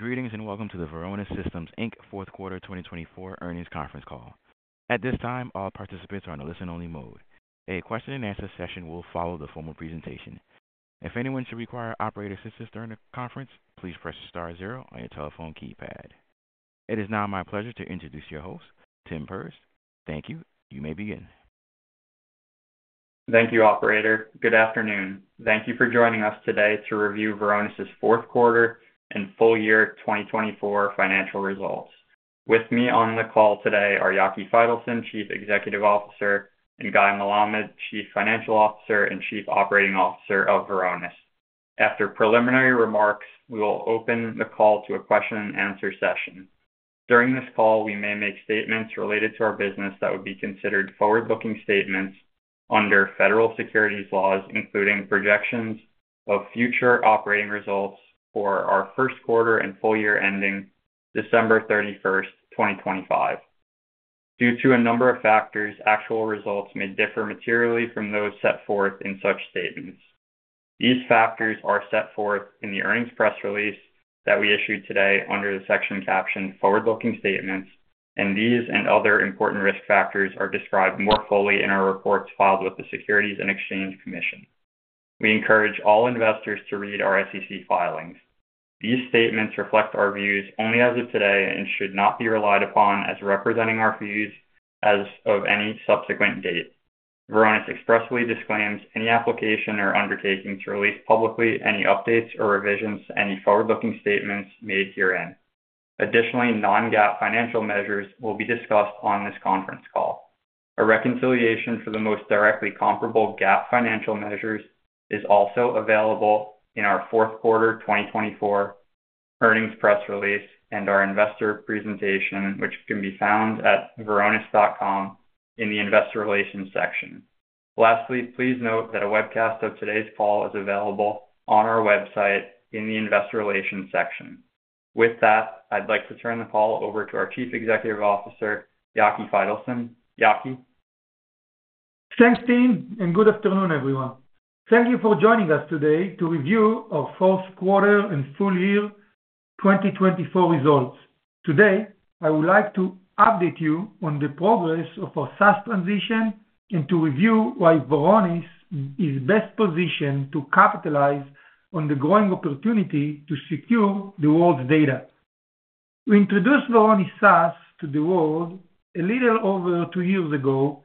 Greetings and welcome to the Varonis Systems Inc. fourth quarter 2024 earnings conference call. At this time, all participants are in a listen-only mode. A question-and-answer session will follow the formal presentation. If anyone should require operator assistance during the conference, please press star zero on your telephone keypad. It is now my pleasure to introduce your host, Tim Perz. Thank you. You may begin. Thank you, Operator. Good afternoon. Thank you for joining us today to review Varonis's fourth quarter and full year 2024 financial results. With me on the call today are Yaki Faitelson, Chief Executive Officer, and Guy Melamed, Chief Financial Officer and Chief Operating Officer of Varonis. After preliminary remarks, we will open the call to a question-and-answer session. During this call, we may make statements related to our business that would be considered forward-looking statements under federal securities laws, including projections of future operating results for our first quarter and full year ending December 31st, 2025. Due to a number of factors, actual results may differ materially from those set forth in such statements. These factors are set forth in the earnings press release that we issued today under the section captioned Forward-Looking Statements, and these and other important risk factors are described more fully in our reports filed with the Securities and Exchange Commission. We encourage all investors to read our SEC filings. These statements reflect our views only as of today and should not be relied upon as representing our views as of any subsequent date. Varonis expressly disclaims any application or undertaking to release publicly any updates or revisions to any forward-looking statements made herein. Additionally, non-GAAP financial measures will be discussed on this conference call. A reconciliation for the most directly comparable GAAP financial measures is also available in our fourth quarter 2024 earnings press release and our investor presentation, which can be found at varonis.com in the Investor Relations section. Lastly, please note that a webcast of today's call is available on our website in the Investor Relations section. With that, I'd like to turn the call over to our Chief Executive Officer, Yaki Faitelson. Yaki? Thanks, Tim, and good afternoon, everyone. Thank you for joining us today to review our fourth quarter and full year 2024 results. Today, I would like to update you on the progress of our SaaS transition and to review why Varonis is best positioned to capitalize on the growing opportunity to secure the world's data. We introduced Varonis SaaS to the world a little over two years ago,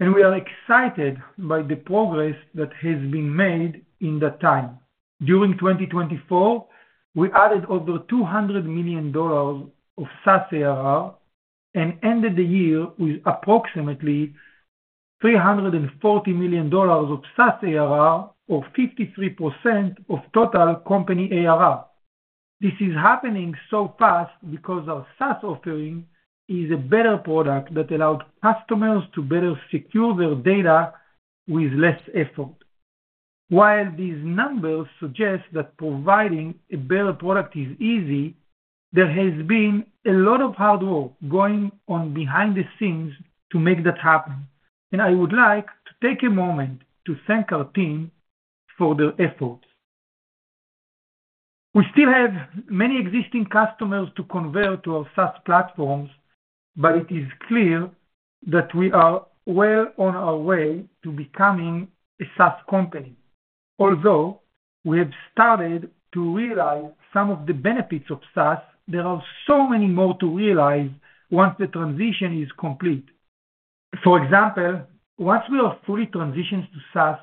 and we are excited by the progress that has been made in that time. During 2024, we added over $200 million of SaaS ARR and ended the year with approximately $340 million of SaaS ARR, or 53% of total company ARR. This is happening so fast because our SaaS offering is a better product that allowed customers to better secure their data with less effort. While these numbers suggest that providing a better product is easy, there has been a lot of hard work going on behind the scenes to make that happen. I would like to take a moment to thank our team for their efforts. We still have many existing customers to convert to our SaaS platforms, but it is clear that we are well on our way to becoming a SaaS company. Although we have started to realize some of the benefits of SaaS, there are so many more to realize once the transition is complete. For example, once we are fully transitioned to SaaS,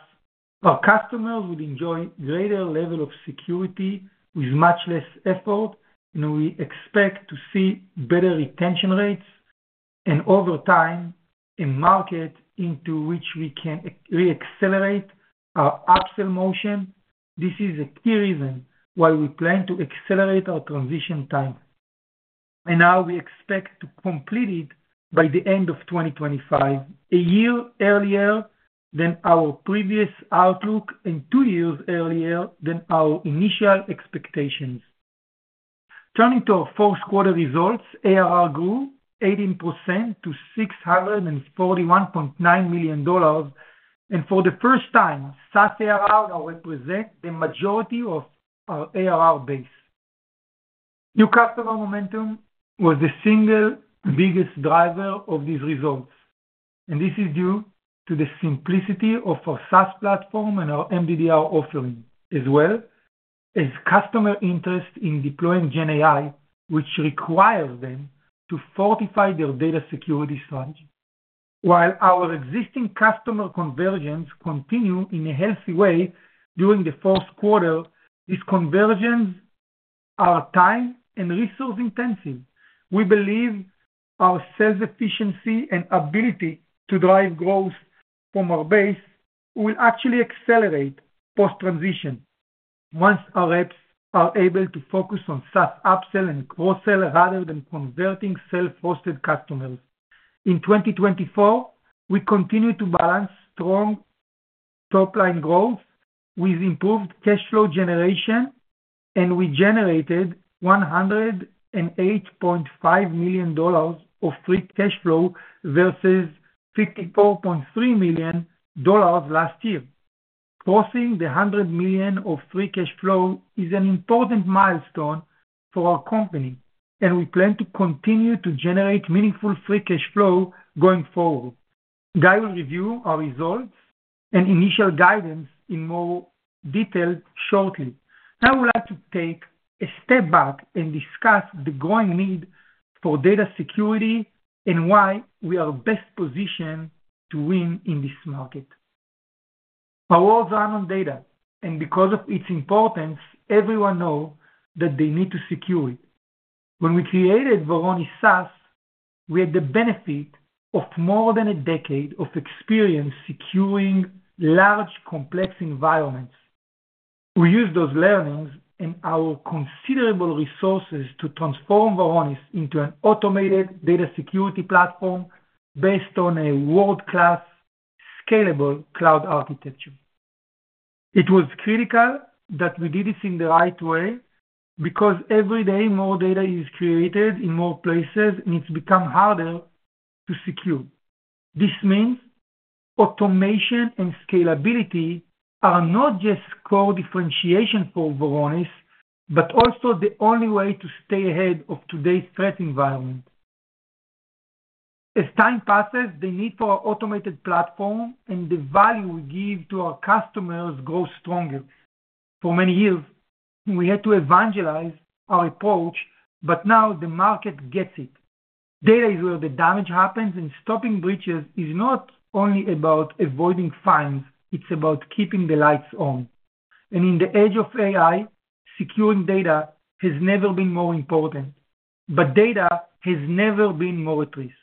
our customers would enjoy a greater level of security with much less effort, and we expect to see better retention rates and, over time, a market into which we can re-accelerate our upsell motion. This is a key reason why we plan to accelerate our transition time. Now we expect to complete it by the end of 2025, a year earlier than our previous outlook and two years earlier than our initial expectations. Turning to our fourth quarter results, ARR grew 18% to $641.9 million, and for the first time, SaaS ARR now represents the majority of our ARR base. New customer momentum was the single biggest driver of these results, and this is due to the simplicity of our SaaS platform and our MDDR offering, as well as customer interest in deploying GenAI, which requires them to fortify their data security strategy. While our existing customer conversions continue in a healthy way during the fourth quarter, these conversions are time and resource intensive. We believe our sales efficiency and ability to drive growth from our base will actually accelerate post-transition once our reps are able to focus on SaaS upsell and cross-sell rather than converting self-hosted customers. In 2024, we continue to balance strong top-line growth with improved cash flow generation, and we generated $108.5 million of free cash flow versus $54.3 million last year. Crossing the $100 million of free cash flow is an important milestone for our company, and we plan to continue to generate meaningful free cash flow going forward. Guy will review our results and initial guidance in more detail shortly. Now I would like to take a step back and discuss the growing need for data security and why we are best positioned to win in this market. Our world's run on data, and because of its importance, everyone knows that they need to secure it. When we created Varonis SaaS, we had the benefit of more than a decade of experience securing large, complex environments. We used those learnings and our considerable resources to transform Varonis into an automated data security platform based on a world-class, scalable cloud architecture. It was critical that we did it in the right way because every day more data is created in more places, and it's become harder to secure. This means automation and scalability are not just core differentiation for Varonis, but also the only way to stay ahead of today's threat environment. As time passes, the need for our automated platform and the value we give to our customers grows stronger. For many years, we had to evangelize our approach, but now the market gets it. Data is where the damage happens, and stopping breaches is not only about avoiding fines. It's about keeping the lights on. And in the age of AI, securing data has never been more important, but data has never been more at risk.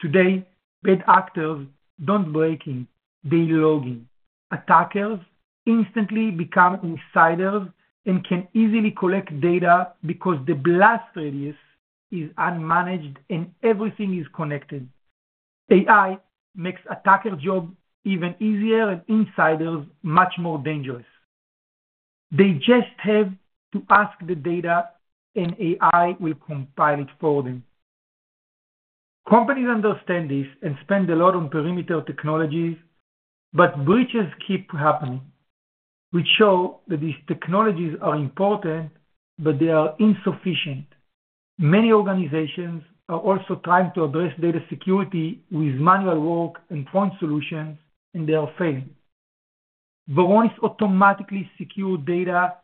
Today, bad actors don't break in; they log in. Attackers instantly become insiders and can easily collect data because the blast radius is unmanaged and everything is connected. AI makes attackers' job even easier and insiders' much more dangerous. They just have to ask the data, and AI will compile it for them. Companies understand this and spend a lot on perimeter technologies, but breaches keep happening. We show that these technologies are important, but they are insufficient. Many organizations are also trying to address data security with manual work and point solutions, and they are failing. Varonis automatically secures data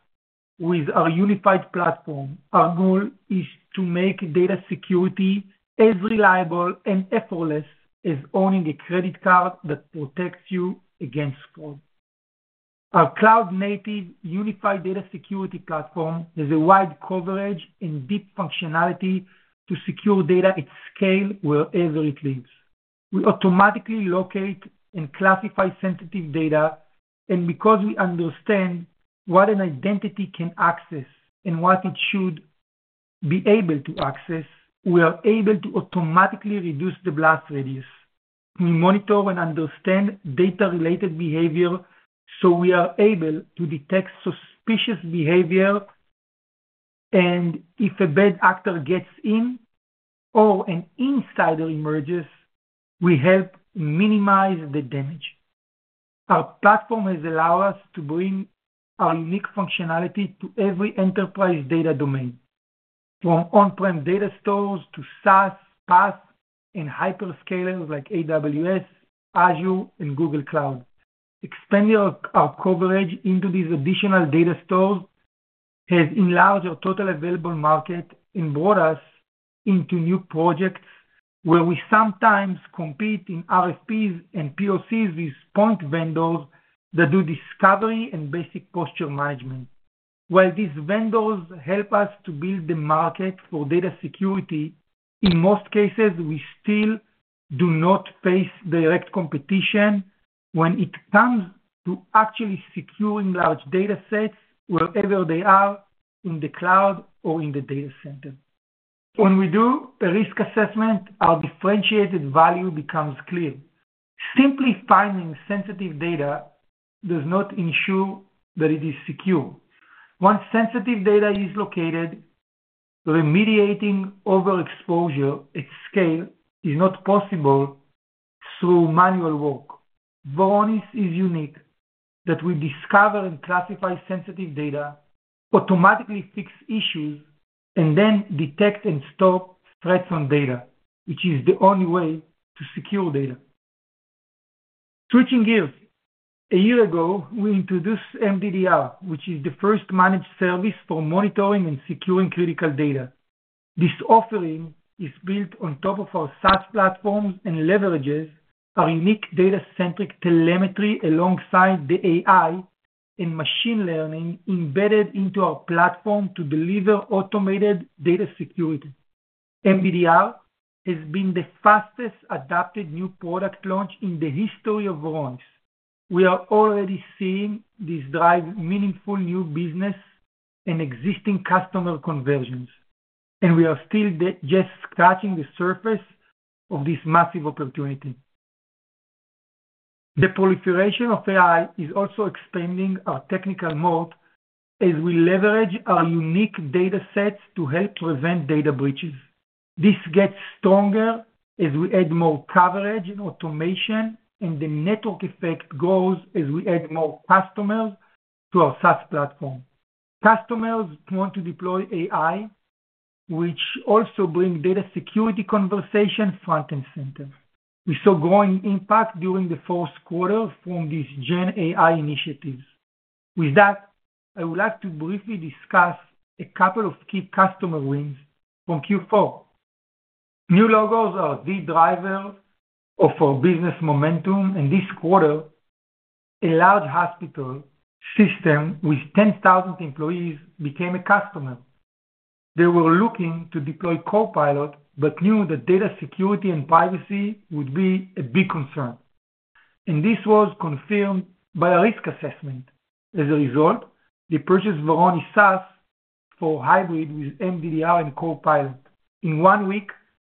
with our unified platform. Our goal is to make data security as reliable and effortless as owning a credit card that protects you against fraud. Our cloud-native unified data security platform has a wide coverage and deep functionality to secure data at scale wherever it lives. We automatically locate and classify sensitive data, and because we understand what an identity can access and what it should be able to access, we are able to automatically reduce the blast radius. We monitor and understand data-related behavior, so we are able to detect suspicious behavior, and if a bad actor gets in or an insider emerges, we help minimize the damage. Our platform has allowed us to bring our unique functionality to every enterprise data domain, from on-prem data stores to SaaS, PaaS, and hyperscalers like AWS, Azure, and Google Cloud. Expanding our coverage into these additional data stores has enlarged our total available market and brought us into new projects where we sometimes compete in RFPs and POCs with point vendors that do discovery and basic posture management. While these vendors help us to build the market for data security, in most cases, we still do not face direct competition when it comes to actually securing large data sets wherever they are, in the cloud or in the data center. When we do a risk assessment, our differentiated value becomes clear. Simply finding sensitive data does not ensure that it is secure. Once sensitive data is located, remediating overexposure at scale is not possible through manual work. Varonis is unique in that we discover and classify sensitive data, automatically fix issues, and then detect and stop threats on data, which is the only way to secure data. Switching gears, a year ago, we introduced MDDR, which is the first managed service for monitoring and securing critical data. This offering is built on top of our SaaS platforms and leverages our unique data-centric telemetry alongside the AI and machine learning embedded into our platform to deliver automated data security. MDDR has been the fastest adopted new product launch in the history of Varonis. We are already seeing this drive meaningful new business and existing customer conversions, and we are still just scratching the surface of this massive opportunity. The proliferation of AI is also expanding our technical moat as we leverage our unique data sets to help prevent data breaches. This gets stronger as we add more coverage and automation, and the network effect grows as we add more customers to our SaaS platform. Customers want to deploy AI, which also brings data security conversation front and center. We saw growing impact during the fourth quarter from these GenAI initiatives. With that, I would like to briefly discuss a couple of key customer wins from Q4. New logos are the driver of our business momentum, and this quarter, a large hospital system with 10,000 employees became a customer. They were looking to deploy Copilot but knew that data security and privacy would be a big concern, and this was confirmed by a risk assessment. As a result, they purchased Varonis SaaS for hybrid with MDDR and Copilot. In one week,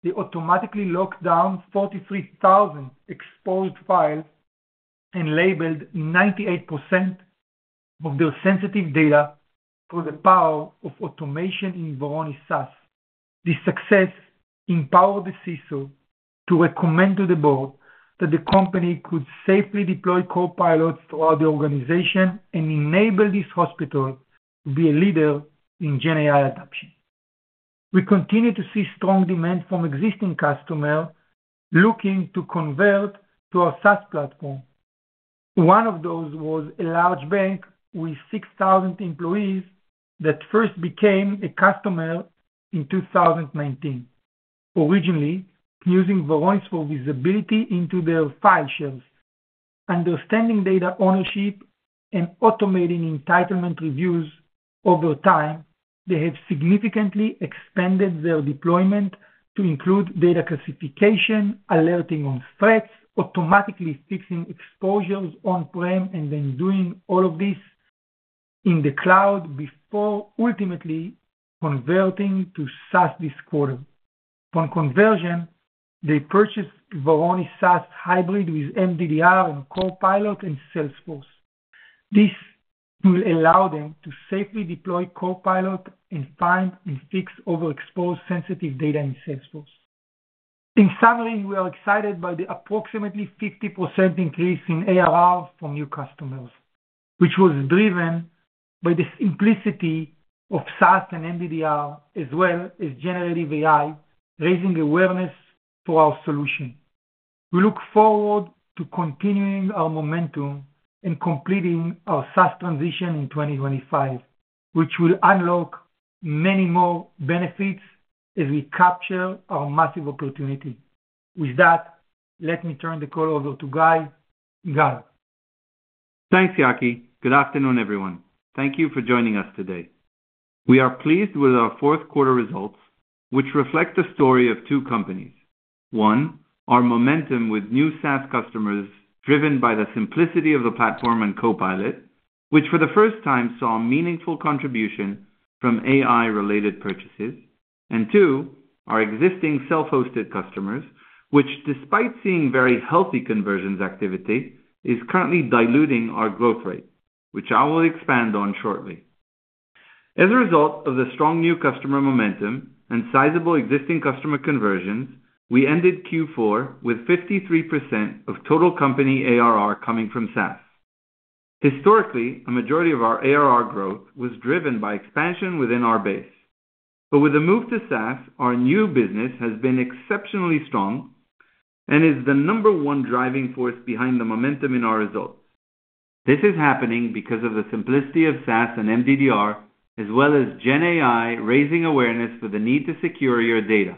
they automatically locked down 43,000 exposed files and labeled 98% of their sensitive data through the power of automation in Varonis SaaS. This success empowered the CISO to recommend to the board that the company could safely deploy Copilot throughout the organization and enable this hospital to be a leader in GenAI adoption. We continue to see strong demand from existing customers looking to convert to our SaaS platform. One of those was a large bank with 6,000 employees that first became a customer in 2019. Originally using Varonis for visibility into their file shares, understanding data ownership, and automating entitlement reviews over time, they have significantly expanded their deployment to include data classification, alerting on threats, automatically fixing exposures on-prem, and then doing all of this in the cloud before ultimately converting to SaaS this quarter. On conversion, they purchased Varonis SaaS hybrid with MDDR and Copilot and Salesforce. This will allow them to safely deploy Copilot and find and fix overexposed sensitive data in Salesforce. In summary, we are excited by the approximately 50% increase in ARR from new customers, which was driven by the simplicity of SaaS and MDDR, as well as generative AI raising awareness for our solution. We look forward to continuing our momentum and completing our SaaS transition in 2025, which will unlock many more benefits as we capture our massive opportunity. With that, let me turn the call over to Guy Melamed. Thanks, Yaki. Good afternoon, everyone. Thank you for joining us today. We are pleased with our fourth quarter results, which reflect the story of two companies. One, our momentum with new SaaS customers driven by the simplicity of the platform and Copilot, which for the first time saw meaningful contribution from AI-related purchases. And two, our existing self-hosted customers, which despite seeing very healthy conversions activity, is currently diluting our growth rate, which I will expand on shortly. As a result of the strong new customer momentum and sizable existing customer conversions, we ended Q4 with 53% of total company ARR coming from SaaS. Historically, a majority of our ARR growth was driven by expansion within our base, but with the move to SaaS, our new business has been exceptionally strong and is the number one driving force behind the momentum in our results. This is happening because of the simplicity of SaaS and MDDR, as well as GenAI raising awareness for the need to secure your data.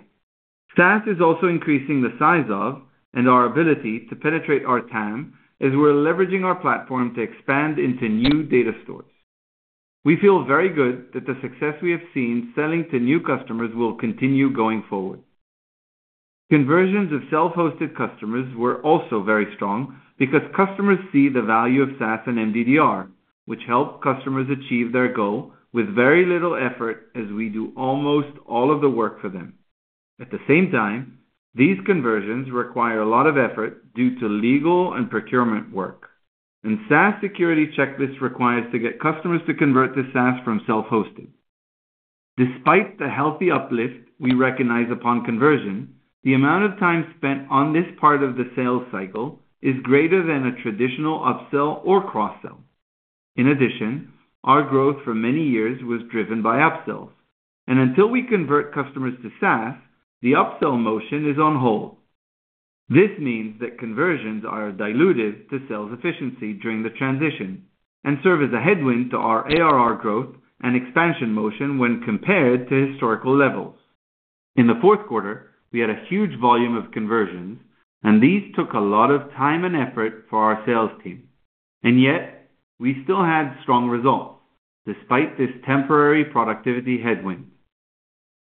SaaS is also increasing the size of and our ability to penetrate our TAM as we're leveraging our platform to expand into new data stores. We feel very good that the success we have seen selling to new customers will continue going forward. Conversions of self-hosted customers were also very strong because customers see the value of SaaS and MDDR, which help customers achieve their goal with very little effort as we do almost all of the work for them. At the same time, these conversions require a lot of effort due to legal and procurement work, and SaaS security checklists require us to get customers to convert to SaaS from self-hosted. Despite the healthy uplift we recognize upon conversion, the amount of time spent on this part of the sales cycle is greater than a traditional upsell or cross-sell. In addition, our growth for many years was driven by upsells, and until we convert customers to SaaS, the upsell motion is on hold. This means that conversions are diluted to sales efficiency during the transition and serve as a headwind to our ARR growth and expansion motion when compared to historical levels. In the fourth quarter, we had a huge volume of conversions, and these took a lot of time and effort for our sales team, and yet we still had strong results despite this temporary productivity headwind.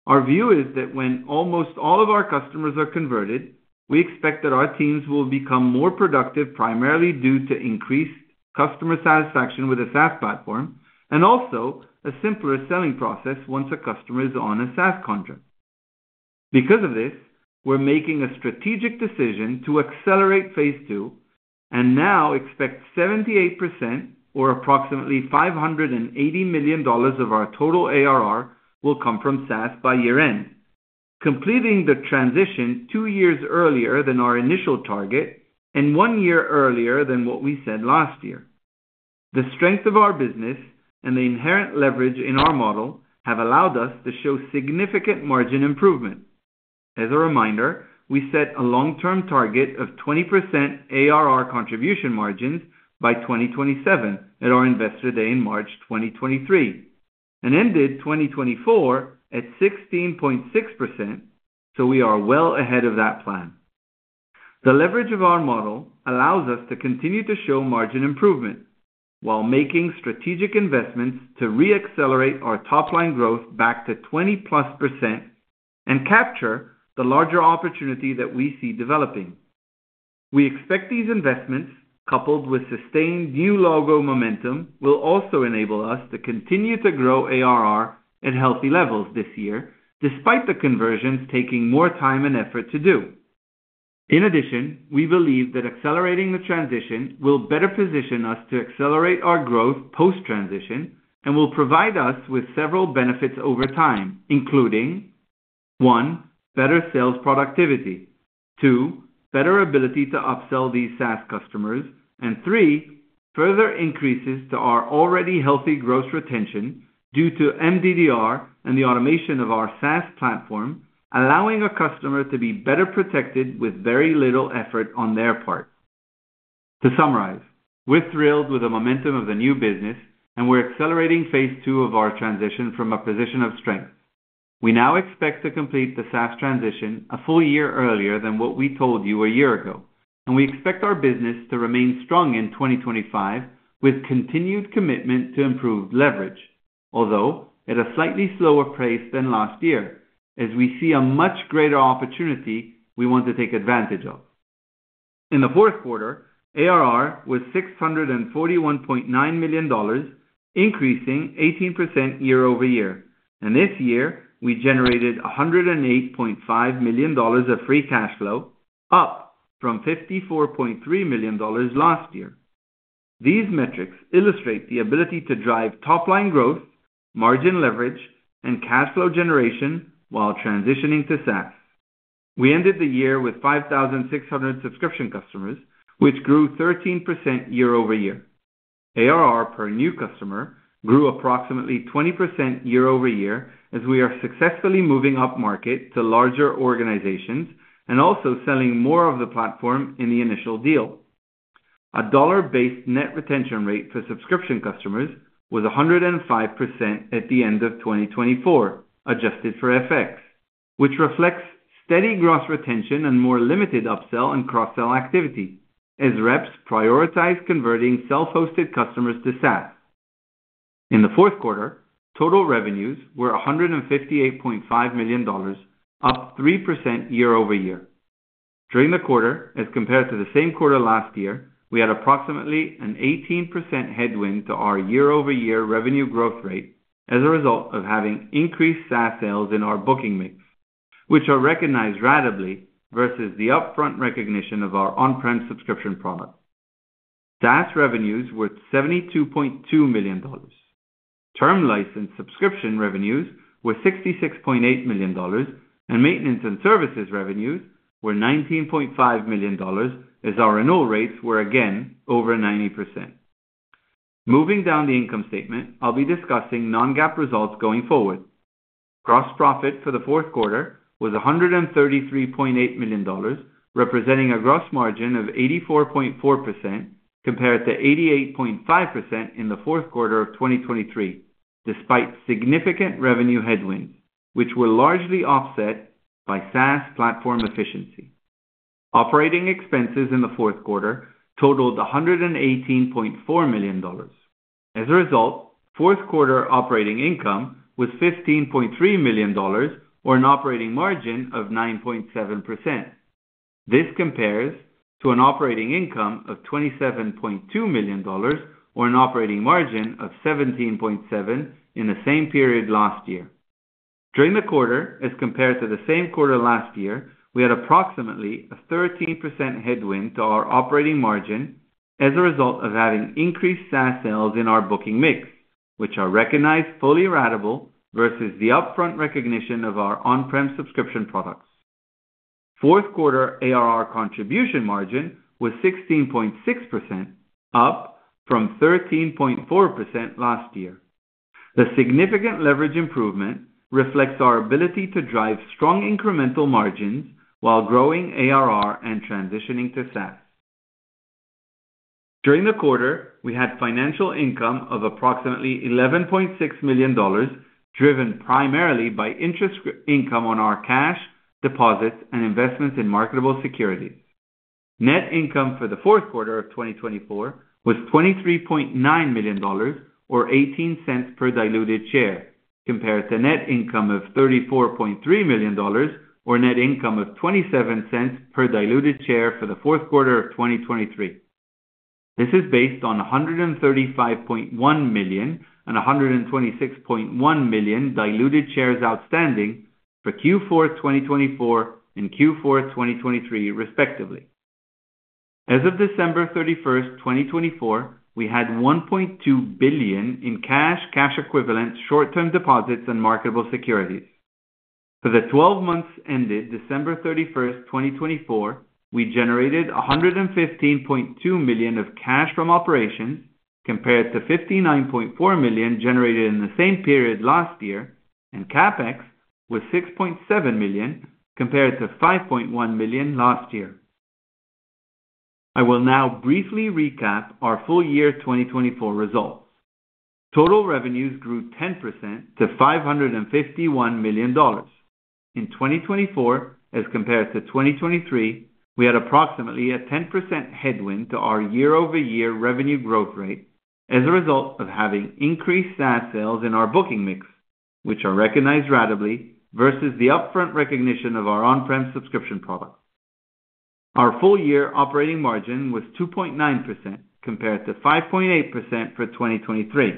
Our view is that when almost all of our customers are converted, we expect that our teams will become more productive primarily due to increased customer satisfaction with a SaaS platform and also a simpler selling process once a customer is on a SaaS contract. Because of this, we're making a strategic decision to accelerate phase two and now expect 78% or approximately $580 million of our total ARR will come from SaaS by year-end, completing the transition two years earlier than our initial target and one year earlier than what we said last year. The strength of our business and the inherent leverage in our model have allowed us to show significant margin improvement. As a reminder, we set a long-term target of 20% ARR contribution margins by 2027 at our Investor Day in March 2023 and ended 2024 at 16.6%, so we are well ahead of that plan. The leverage of our model allows us to continue to show margin improvement while making strategic investments to re-accelerate our top-line growth back to 20+% and capture the larger opportunity that we see developing. We expect these investments, coupled with sustained new logo momentum, will also enable us to continue to grow ARR at healthy levels this year, despite the conversions taking more time and effort to do. In addition, we believe that accelerating the transition will better position us to accelerate our growth post-transition and will provide us with several benefits over time, including: one, better sales productivity, two, better ability to upsell these SaaS customers, and three, further increases to our already healthy gross retention due to MDDR and the automation of our SaaS platform, allowing a customer to be better protected with very little effort on their part. To summarize, we're thrilled with the momentum of the new business, and we're accelerating phase two of our transition from a position of strength. We now expect to complete the SaaS transition a full year earlier than what we told you a year ago, and we expect our business to remain strong in 2025 with continued commitment to improved leverage, although at a slightly slower pace than last year, as we see a much greater opportunity we want to take advantage of. In the fourth quarter, ARR was $641.9 million, increasing 18% year-over-year, and this year we generated $108.5 million of free cash flow, up from $54.3 million last year. These metrics illustrate the ability to drive top-line growth, margin leverage, and cash flow generation while transitioning to SaaS. We ended the year with 5,600 subscription customers, which grew 13% year-over-year. ARR per new customer grew approximately 20% year-over-year as we are successfully moving upmarket to larger organizations and also selling more of the platform in the initial deal. A dollar-based net retention rate for subscription customers was 105% at the end of 2024, adjusted for FX, which reflects steady gross retention and more limited upsell and cross-sell activity as reps prioritize converting self-hosted customers to SaaS. In the fourth quarter, total revenues were $158.5 million, up 3% year-over-year. During the quarter, as compared to the same quarter last year, we had approximately an 18% headwind to our year-over-year revenue growth rate as a result of having increased SaaS sales in our booking mix, which are recognized ratably versus the upfront recognition of our on-prem subscription product. SaaS revenues were $72.2 million. Term license subscription revenues were $66.8 million, and maintenance and services revenues were $19.5 million as our annual rates were again over 90%. Moving down the income statement, I'll be discussing non-GAAP results going forward. Gross profit for the fourth quarter was $133.8 million, representing a gross margin of 84.4% compared to 88.5% in the fourth quarter of 2023, despite significant revenue headwinds, which were largely offset by SaaS platform efficiency. Operating expenses in the fourth quarter totaled $118.4 million. As a result, fourth quarter operating income was $15.3 million, or an operating margin of 9.7%. This compares to an operating income of $27.2 million, or an operating margin of 17.7% in the same period last year. During the quarter, as compared to the same quarter last year, we had approximately a 13% headwind to our operating margin as a result of having increased SaaS sales in our booking mix, which are recognized fully ratable versus the upfront recognition of our on-prem subscription products. Fourth quarter ARR contribution margin was 16.6%, up from 13.4% last year. The significant leverage improvement reflects our ability to drive strong incremental margins while growing ARR and transitioning to SaaS. During the quarter, we had financial income of approximately $11.6 million, driven primarily by interest income on our cash, deposits, and investments in marketable securities. Net income for the fourth quarter of 2024 was $23.9 million, or $0.18 per diluted share, compared to net income of $34.3 million, or net income of $0.27 per diluted share for the fourth quarter of 2023. This is based on $135.1 million and $126.1 million diluted shares outstanding for Q4 2024 and Q4 2023, respectively. As of December 31st, 2024, we had $1.2 billion in cash, cash equivalents, short-term deposits, and marketable securities. For the 12 months ended December 31st, 2024, we generated $115.2 million of cash from operations, compared to $59.4 million generated in the same period last year, and CapEx was $6.7 million, compared to $5.1 million last year. I will now briefly recap our full year 2024 results. Total revenues grew 10% to $551 million. In 2024, as compared to 2023, we had approximately a 10% headwind to our year-over-year revenue growth rate as a result of having increased SaaS sales in our booking mix, which are recognized ratably versus the upfront recognition of our on-prem subscription products. Our full year operating margin was 2.9%, compared to 5.8% for 2023.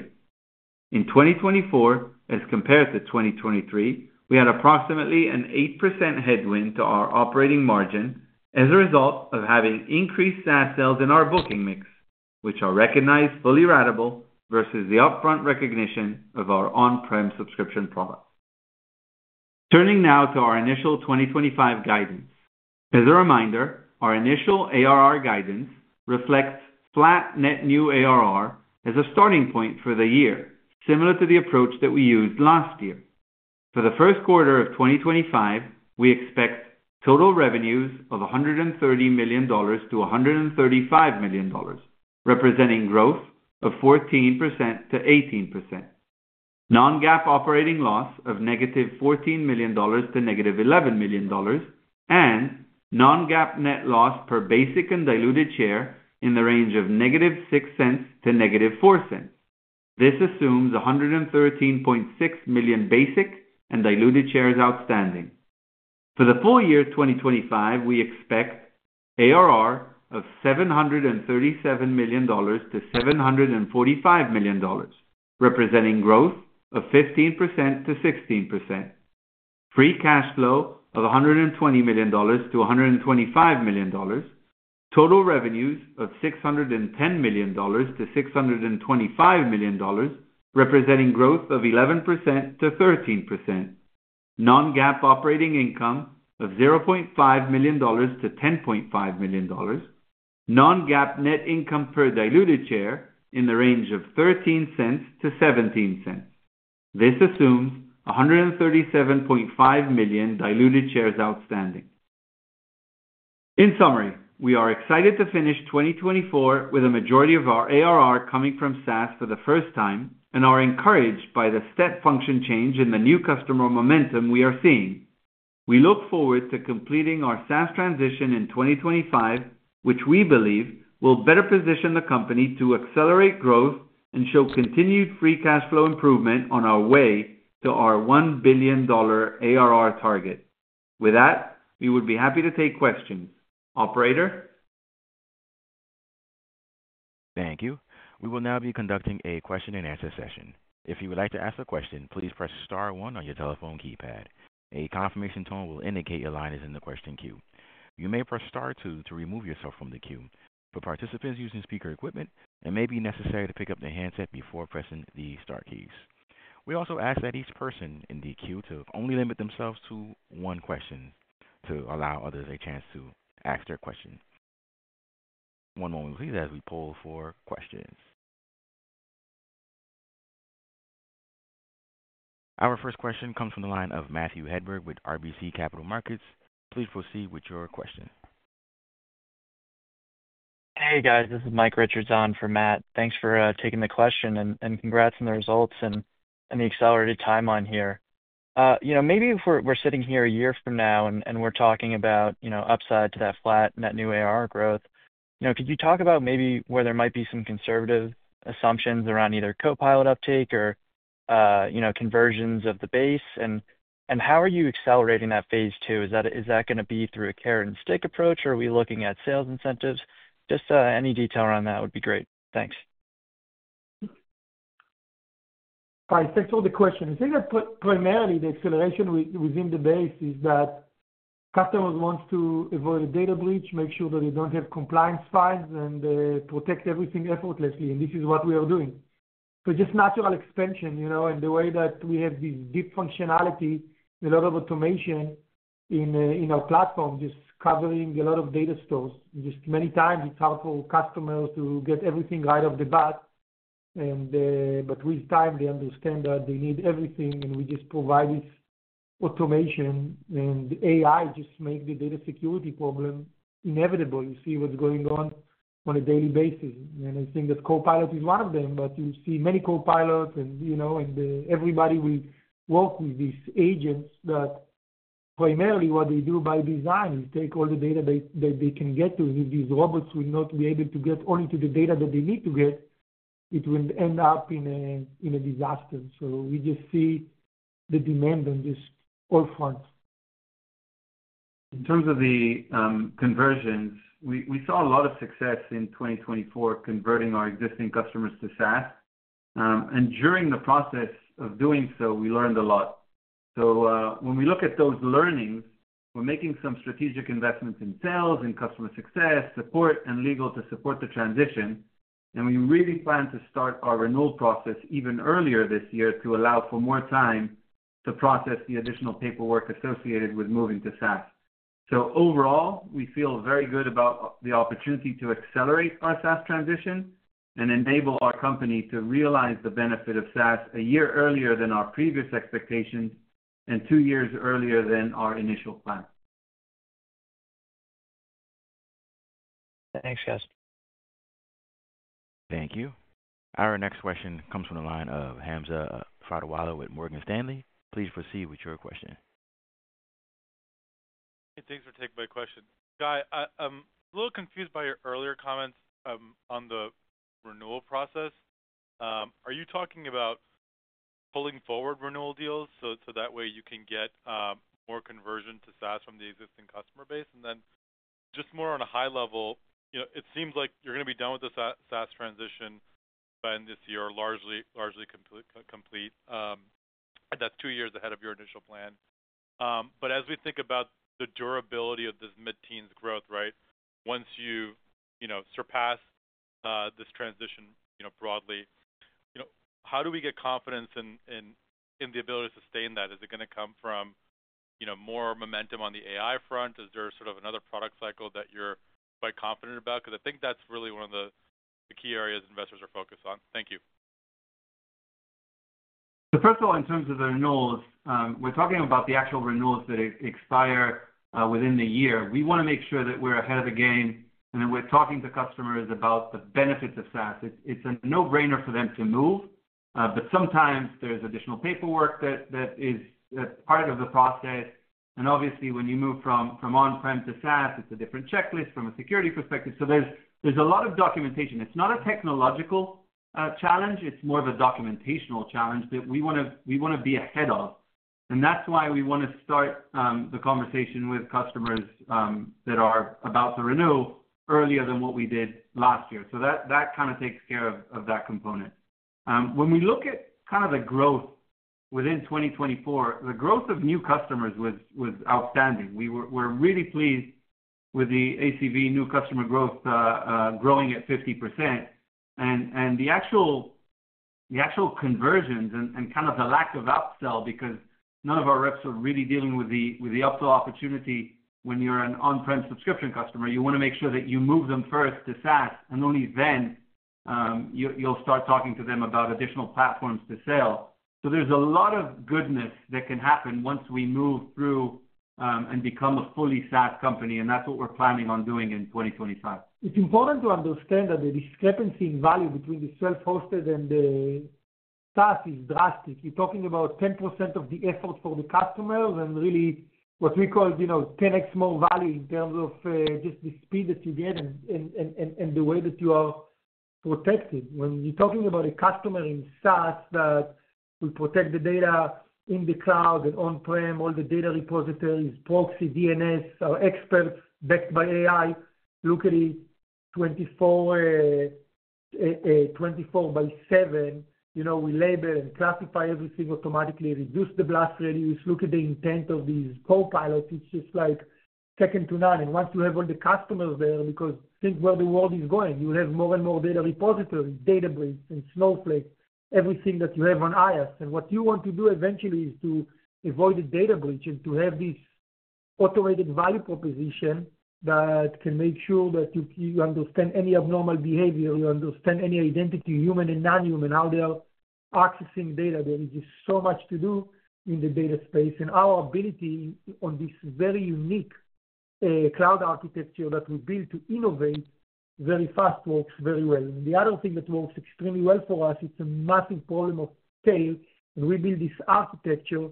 In 2024, as compared to 2023, we had approximately an 8% headwind to our operating margin as a result of having increased SaaS sales in our booking mix, which are recognized fully ratable versus the upfront recognition of our on-prem subscription products. Turning now to our initial 2025 guidance. As a reminder, our initial ARR guidance reflects flat net new ARR as a starting point for the year, similar to the approach that we used last year. For the first quarter of 2025, we expect total revenues of $130 million-$135 million, representing growth of 14%-18%. Non-GAAP operating loss of -$14 million to -$11 million, and non-GAAP net loss per basic and diluted share in the range of -$0.06 to -$0.04. This assumes 113.6 million basic and diluted shares outstanding. For the full year 2025, we expect ARR of $737 million-$745 million, representing growth of 15%-16%. Free cash flow of $120 million-$125 million. Total revenues of $610 million-$625 million, representing growth of 11%-13%. Non-GAAP operating income of $0.5 million-$10.5 million. Non-GAAP net income per diluted share in the range of $0.13-$0.17. This assumes 137.5 million diluted shares outstanding. In summary, we are excited to finish 2024 with a majority of our ARR coming from SaaS for the first time and are encouraged by the step function change in the new customer momentum we are seeing. We look forward to completing our SaaS transition in 2025, which we believe will better position the company to accelerate growth and show continued free cash flow improvement on our way to our $1 billion ARR target. With that, we would be happy to take questions. Operator? Thank you. We will now be conducting a question-and-answer session. If you would like to ask a question, please press Star 1 on your telephone keypad. A confirmation tone will indicate your line is in the question queue. You may press star two to remove yourself from the queue. For participants using speaker equipment, it may be necessary to pick up their handset before pressing the star keys. We also ask that each person in the queue to only limit themselves to one question to allow others a chance to ask their question. One moment, please, as we pull for questions. Our first question comes from the line of Matthew Hedberg with RBC Capital Markets. Please proceed with your question. Hey, guys. This is Mike Richards on for Matt. Thanks for taking the question and congrats on the results and the accelerated timeline here. Maybe if we're sitting here a year from now and we're talking about upside to that flat net new ARR growth, could you talk about maybe where there might be some conservative assumptions around either Copilot uptake or conversions of the base? And how are you accelerating that phase two? Is that going to be through a carrot and stick approach, or are we looking at sales incentives? Just any detail around that would be great. Thanks. I think so the question is either primarily the acceleration within the base is that customers want to avoid a data breach, make sure that they don't have compliance fines, and protect everything effortlessly. And this is what we are doing. So, just natural expansion and the way that we have this deep functionality, a lot of automation in our platform, just covering a lot of data stores. Just many times it's hard for customers to get everything right off the bat. But with time, they understand that they need everything, and we just provide this automation. And AI just makes the data security problem inevitable. You see what's going on on a daily basis. And I think that Copilot is one of them, but you see many Copilots, and everybody will work with these agents. But primarily, what they do by design is take all the data that they can get to. If these robots will not be able to get only to the data that they need to get, it will end up in a disaster. So we just see the demand on all fronts. In terms of the conversions, we saw a lot of success in 2024 converting our existing customers to SaaS. And during the process of doing so, we learned a lot. So when we look at those learnings, we're making some strategic investments in sales and customer success, support, and legal to support the transition. And we really plan to start our renewal process even earlier this year to allow for more time to process the additional paperwork associated with moving to SaaS. So overall, we feel very good about the opportunity to accelerate our SaaS transition and enable our company to realize the benefit of SaaS a year earlier than our previous expectations and two years earlier than our initial plan. Thanks, guys. Thank you. Our next question comes from the line of Hamza Fodderwala with Morgan Stanley. Please proceed with your question. Hey, thanks for taking my question. Guy, I'm a little confused by your earlier comments on the renewal process. Are you talking about pulling forward renewal deals so that way you can get more conversion to SaaS from the existing customer base? And then just more on a high level, it seems like you're going to be done with the SaaS transition by end of this year, largely complete. That's two years ahead of your initial plan. But as we think about the durability of this mid-teens growth, right, once you surpass this transition broadly, how do we get confidence in the ability to sustain that? Is it going to come from more momentum on the AI front? Is there sort of another product cycle that you're quite confident about? Because I think that's really one of the key areas investors are focused on. Thank you. So first of all, in terms of the renewals, we're talking about the actual renewals that expire within the year. We want to make sure that we're ahead of the game, and then we're talking to customers about the benefits of SaaS. It's a no-brainer for them to move, but sometimes there's additional paperwork that is part of the process. And obviously, when you move from on-prem to SaaS, it's a different checklist from a security perspective. So there's a lot of documentation. It's not a technological challenge. It's more of a documentational challenge that we want to be ahead of. And that's why we want to start the conversation with customers that are about to renew earlier than what we did last year. So that kind of takes care of that component. When we look at kind of the growth within 2024, the growth of new customers was outstanding. We're really pleased with the ACV new customer growth growing at 50%, and the actual conversions and kind of the lack of upsell, because none of our reps are really dealing with the upsell opportunity when you're an on-prem subscription customer. You want to make sure that you move them first to SaaS, and only then you'll start talking to them about additional platforms to sell, so there's a lot of goodness that can happen once we move through and become a fully SaaS company, and that's what we're planning on doing in 2025. It's important to understand that the discrepancy in value between the self-hosted and the SaaS is drastic. You're talking about 10% of the effort for the customers and really what we call 10x more value in terms of just the speed that you get and the way that you are protected. When you're talking about a customer in SaaS that will protect the data in the cloud and on-prem, all the data repositories, proxy, DNS, our experts backed by AI look at it 24 by 7. We label and classify everything automatically, reduce the blast radius. Look at the intent of these Copilots. It's just like second to none, and once you have all the customers there, because think where the world is going. You have more and more data repositories, Databricks and Snowflake, everything that you have on IaaS, and what you want to do eventually is to avoid the data breach and to have this automated value proposition that can make sure that you understand any abnormal behavior, you understand any identity, human and non-human, how they are accessing data. There is just so much to do in the data space. And our ability on this very unique cloud architecture that we build to innovate very fast works very well. And the other thing that works extremely well for us, it's a massive problem of scale. And we build this architecture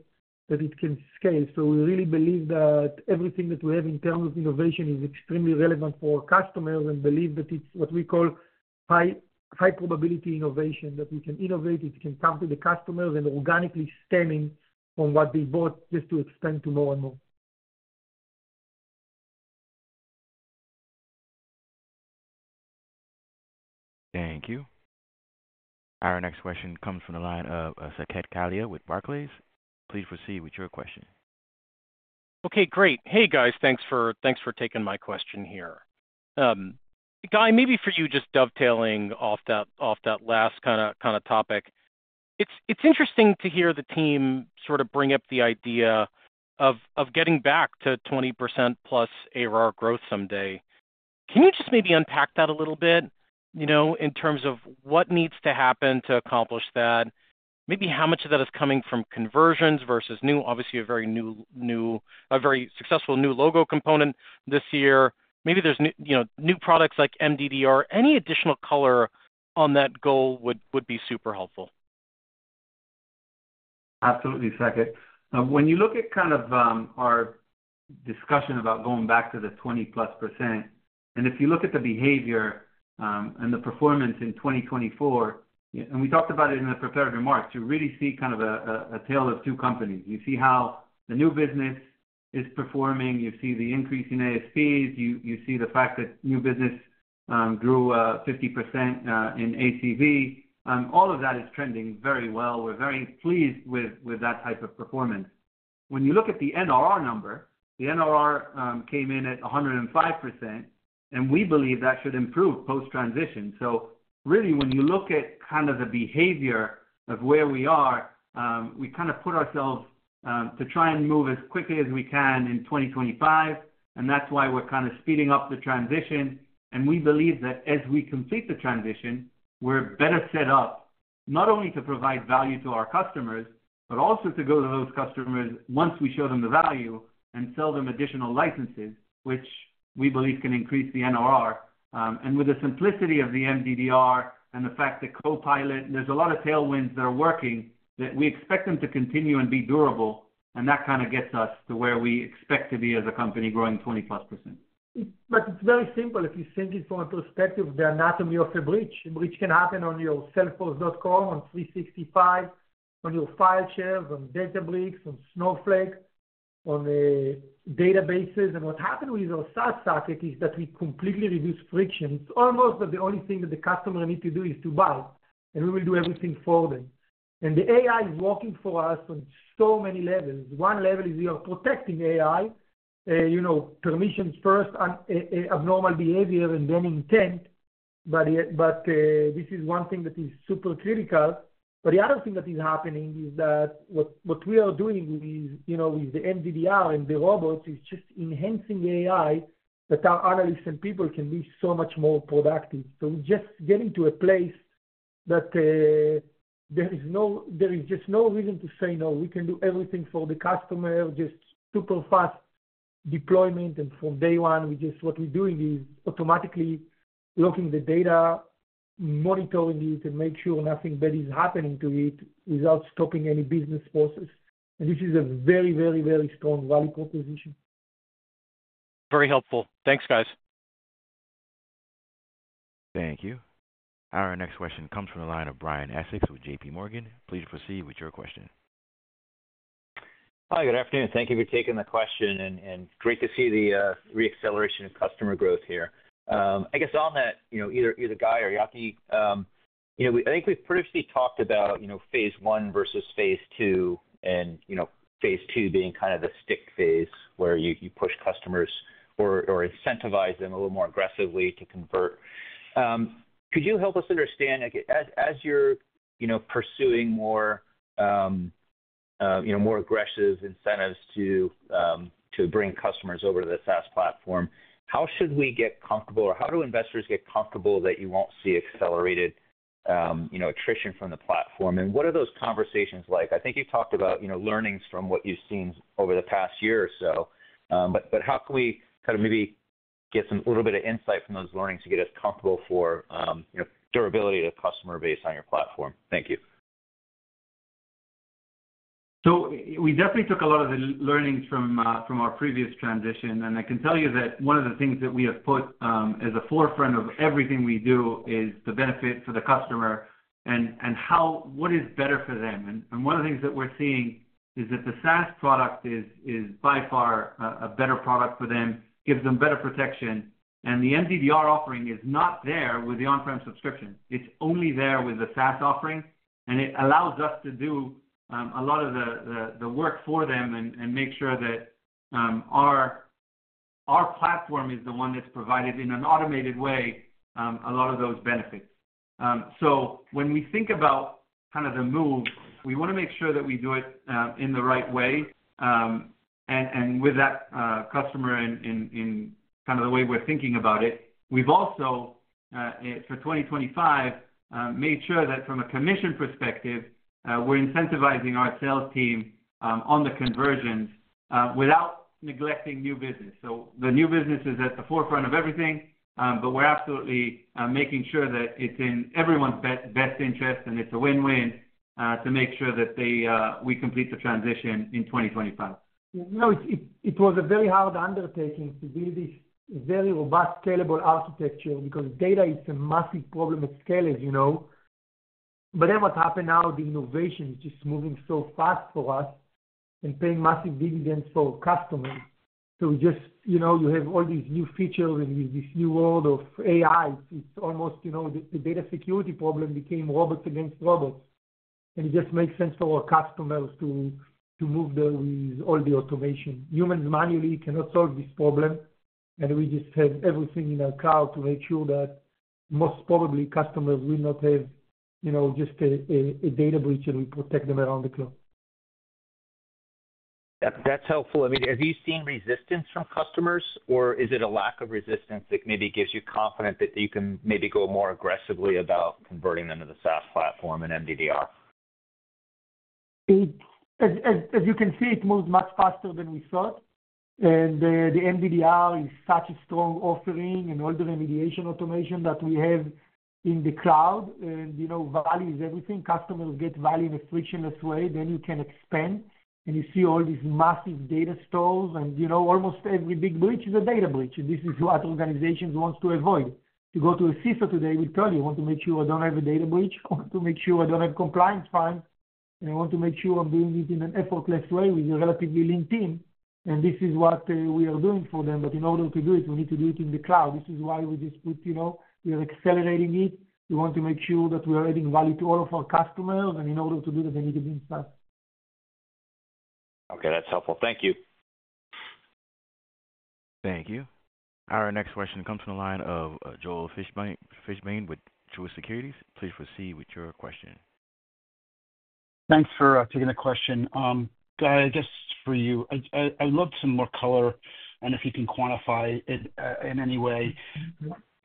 that it can scale. So we really believe that everything that we have in terms of innovation is extremely relevant for our customers and believe that it's what we call high probability innovation, that we can innovate, it can come to the customers and organically stemming from what they bought just to expand to more and more. Thank you. Our next question comes from the line of Saket Kalia with Barclays. Please proceed with your question. Okay, great. Hey, guys, thanks for taking my question here. Guy, maybe for you just dovetailing off that last kind of topic, it's interesting to hear the team sort of bring up the idea of getting back to 20% plus ARR growth someday. Can you just maybe unpack that a little bit in terms of what needs to happen to accomplish that? Maybe how much of that is coming from conversions versus new, obviously a very successful new logo component this year. Maybe there's new products like MDDR. Any additional color on that goal would be super helpful. Absolutely, Saket. When you look at kind of our discussion about going back to the 20+%, and if you look at the behavior and the performance in 2024, and we talked about it in the prepared remarks, you really see kind of a tale of two companies. You see how the new business is performing. You see the increase in ASPs. You see the fact that new business grew 50% in ACV. All of that is trending very well. We're very pleased with that type of performance. When you look at the NRR number, the NRR came in at 105%, and we believe that should improve post-transition, so really, when you look at kind of the behavior of where we are, we kind of put ourselves to try and move as quickly as we can in 2025, and that's why we're kind of speeding up the transition, and we believe that as we complete the transition, we're better set up not only to provide value to our customers, but also to go to those customers once we show them the value and sell them additional licenses, which we believe can increase the NRR. With the simplicity of the MDDR and the fact that Copilot, there's a lot of tailwinds that are working that we expect them to continue and be durable. That kind of gets us to where we expect to be as a company growing 20+%. It's very simple if you think of it from a perspective of the anatomy of a breach. A breach can happen on your self-hosted on 365, on your file shares, on Databricks, on Snowflake, on databases. What happened with our SaaS socket is that we completely reduce friction. It's almost that the only thing that the customer needs to do is to buy, and we will do everything for them. The AI is working for us on so many levels. One level is we are protecting AI, permissions first, abnormal behavior, and then intent. But this is one thing that is super critical. But the other thing that is happening is that what we are doing with the MDDR and the robots is just enhancing AI that our analysts and people can be so much more productive. So we're just getting to a place that there is just no reason to say no. We can do everything for the customer, just super-fast deployment. And from day one, what we're doing is automatically looking at the data, monitoring it, and make sure nothing bad is happening to it without stopping any business process. And this is a very, very, very strong value proposition. Very helpful. Thanks, guys. Thank you. Our next question comes from the line of Brian Essex with JPMorgan. Please proceed with your question. Hi, good afternoon. Thank you for taking the question. Great to see the re-acceleration of customer growth here. I guess on that, either Guy or Yaki, I think we've previously talked about phase one versus phase two, and phase two being kind of the stick phase where you push customers or incentivize them a little more aggressively to convert. Could you help us understand, as you're pursuing more aggressive incentives to bring customers over to the SaaS platform, how should we get comfortable, or how do investors get comfortable that you won't see accelerated attrition from the platform? And what are those conversations like? I think you've talked about learnings from what you've seen over the past year or so. But how can we kind of maybe get a little bit of insight from those learnings to get us comfortable for durability of the customer base on your platform? Thank you. We definitely took a lot of the learnings from our previous transition, and I can tell you that one of the things that we have put as the forefront of everything we do is the benefit for the customer and what is better for them, and one of the things that we're seeing is that the SaaS product is by far a better product for them, gives them better protection, and the MDDR offering is not there with the on-prem subscription. It's only there with the SaaS offering, and it allows us to do a lot of the work for them and make sure that our platform is the one that's provided in an automated way a lot of those benefits. When we think about kind of the move, we want to make sure that we do it in the right way. And with that customer in kind of the way we're thinking about it, we've also, for 2025, made sure that from a commission perspective, we're incentivizing our sales team on the conversions without neglecting new business. So the new business is at the forefront of everything, but we're absolutely making sure that it's in everyone's best interest, and it's a win-win to make sure that we complete the transition in 2025. It was a very hard undertaking to build this very robust, scalable architecture because data is a massive problem at scale, as you know. But then what happened now, the innovation is just moving so fast for us and paying massive dividends for customers. So you have all these new features and this new world of AI. It's almost the data security problem became robots against robots. It just makes sense for our customers to move there with all the automation. Humans manually cannot solve this problem. We just have everything in our cloud to make sure that most probably customers will not have just a data breach and we protect them around the clock. That's helpful. I mean, have you seen resistance from customers, or is it a lack of resistance that maybe gives you confidence that you can maybe go more aggressively about converting them to the SaaS platform and MDDR? As you can see, it moved much faster than we thought. The MDDR is such a strong offering and all the remediation automation that we have in the cloud. Value is everything. Customers get value in a frictionless way. Then you can expand. You see all these massive data stores. Almost every big breach is a data breach. And this is what organizations want to avoid. You go to a CISO today, we tell you, "I want to make sure I don't have a data breach. I want to make sure I don't have compliance fines. And I want to make sure I'm doing it in an effortless way with a relatively lean team." And this is what we are doing for them. But in order to do it, we need to do it in the cloud. This is why we just put we are accelerating it. We want to make sure that we are adding value to all of our customers. And in order to do that, they need to be in SaaS. Okay, that's helpful. Thank you. Thank you. Our next question comes from the line of Joel Fishbein with Truist Securities. Please proceed with your question. Thanks for taking the question. Just for you, I'd love some more color and if you can quantify it in any way.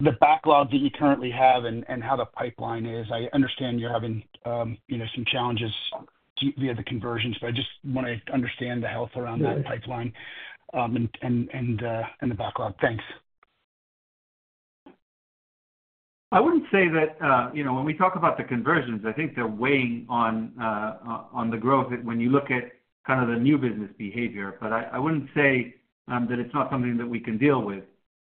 The backlog that you currently have and how the pipeline is, I understand you're having some challenges via the conversions, but I just want to understand the health around that pipeline and the backlog. Thanks. I wouldn't say that when we talk about the conversions, I think they're weighing on the growth when you look at kind of the new business behavior. But I wouldn't say that it's not something that we can deal with.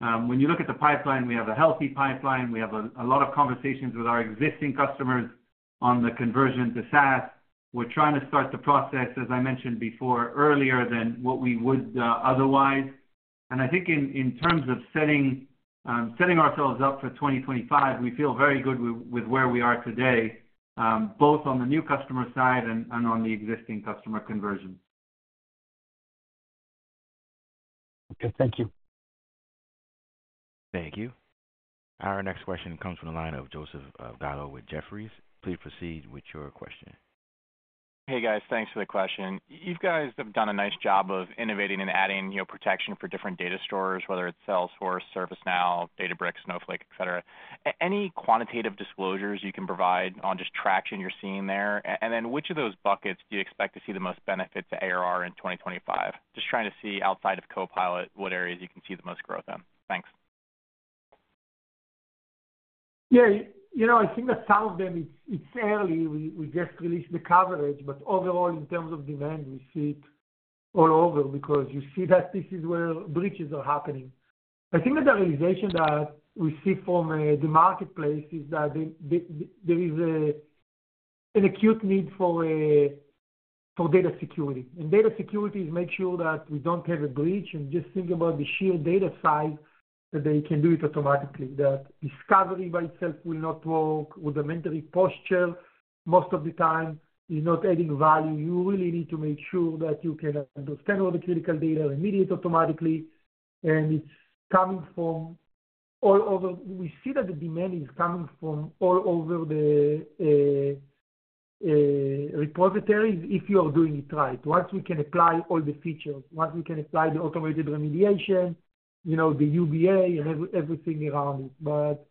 When you look at the pipeline, we have a healthy pipeline. We have a lot of conversations with our existing customers on the conversion to SaaS. We're trying to start the process, as I mentioned before, earlier than what we would otherwise. I think in terms of setting ourselves up for 2025, we feel very good with where we are today, both on the new customer side and on the existing customer conversion. Okay, thank you. Thank you. Our next question comes from the line of Joseph Gallo with Jefferies. Please proceed with your question. Hey, guys, thanks for the question. You guys have done a nice job of innovating and adding protection for different data stores, whether it's Salesforce, ServiceNow, Databricks, Snowflake, etc. Any quantitative disclosures you can provide on just traction you're seeing there? And then which of those buckets do you expect to see the most benefit to ARR in 2025? Just trying to see outside of Copilot what areas you can see the most growth in. Thanks. Yeah, I think that some of them, it's early. We just released the coverage. Overall, in terms of demand, we see it all over because you see that this is where breaches are happening. I think that the realization that we see from the marketplace is that there is an acute need for data security. Data security is making sure that we don't have a breach. Just think about the sheer data size that they can do it automatically. That discovery by itself will not work with the mentally posture. Most of the time, you're not adding value. You really need to make sure that you can understand all the critical data and remediate automatically. It's coming from all over. We see that the demand is coming from all over the repositories if you are doing it right. Once we can apply all the features, once we can apply the automated remediation, the UBA, and everything around it. But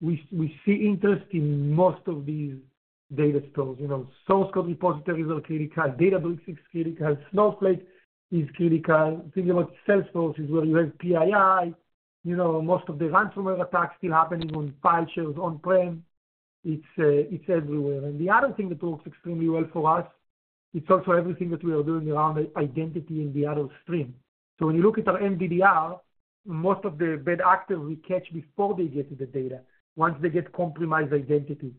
we see interest in most of these data stores. Source code repositories are critical. Databricks is critical. Snowflake is critical. Think about Salesforce is where you have PII. Most of the ransomware attacks still happening on file shares on-prem. It's everywhere. And the other thing that works extremely well for us, it's also everything that we are doing around identity in the other stream. So when you look at our MDDR, most of the bad actors we catch before they get to the data, once they get compromised identity.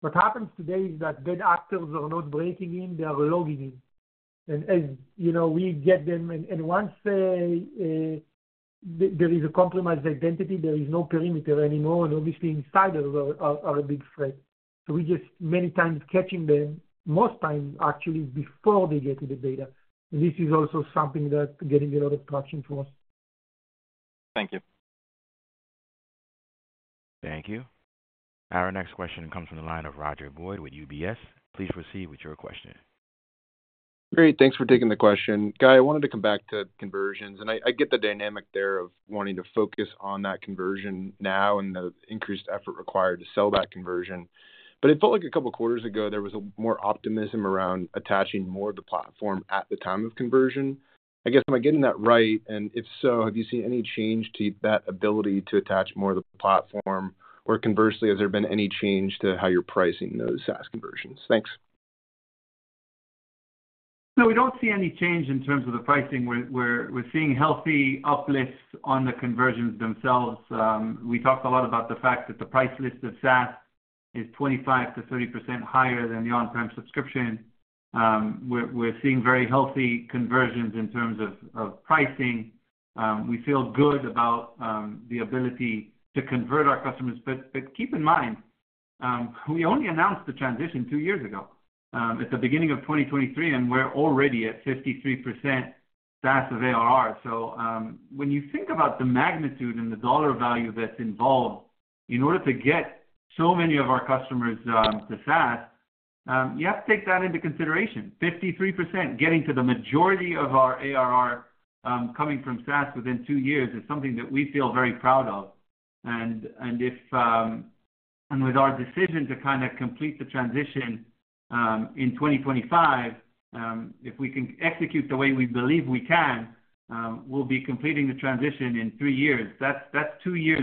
What happens today is that bad actors are not breaking in. They are logging in. And as we get them, and once there is a compromised identity, there is no perimeter anymore. And obviously, insiders are a big threat. So we just, many times, catching them, most times, actually, before they get to the data. And this is also something that's getting a lot of traction for us. Thank you. Thank you. Our next question comes from the line of Roger Boyd with UBS. Please proceed with your question. Great. Thanks for taking the question. Guy, I wanted to come back to conversions. And I get the dynamic there of wanting to focus on that conversion now and the increased effort required to sell that conversion. But it felt like a couple of quarters ago, there was more optimism around attaching more of the platform at the time of conversion. I guess, am I getting that right? And if so, have you seen any change to that ability to attach more of the platform? Or conversely, has there been any change to how you're pricing those SaaS conversions? Thanks. No, we don't see any change in terms of the pricing. We're seeing healthy uplifts on the conversions themselves. We talked a lot about the fact that the price list of SaaS is 25%-30% higher than the on-prem subscription. We're seeing very healthy conversions in terms of pricing. We feel good about the ability to convert our customers. But keep in mind, we only announced the transition two years ago. It's the beginning of 2023, and we're already at 53% SaaS of ARR. So when you think about the magnitude and the dollar value that's involved in order to get so many of our customers to SaaS, you have to take that into consideration. 53%, getting to the majority of our ARR coming from SaaS within two years is something that we feel very proud of. And with our decision to kind of complete the transition in 2025, if we can execute the way we believe we can, we'll be completing the transition in three years. That's two years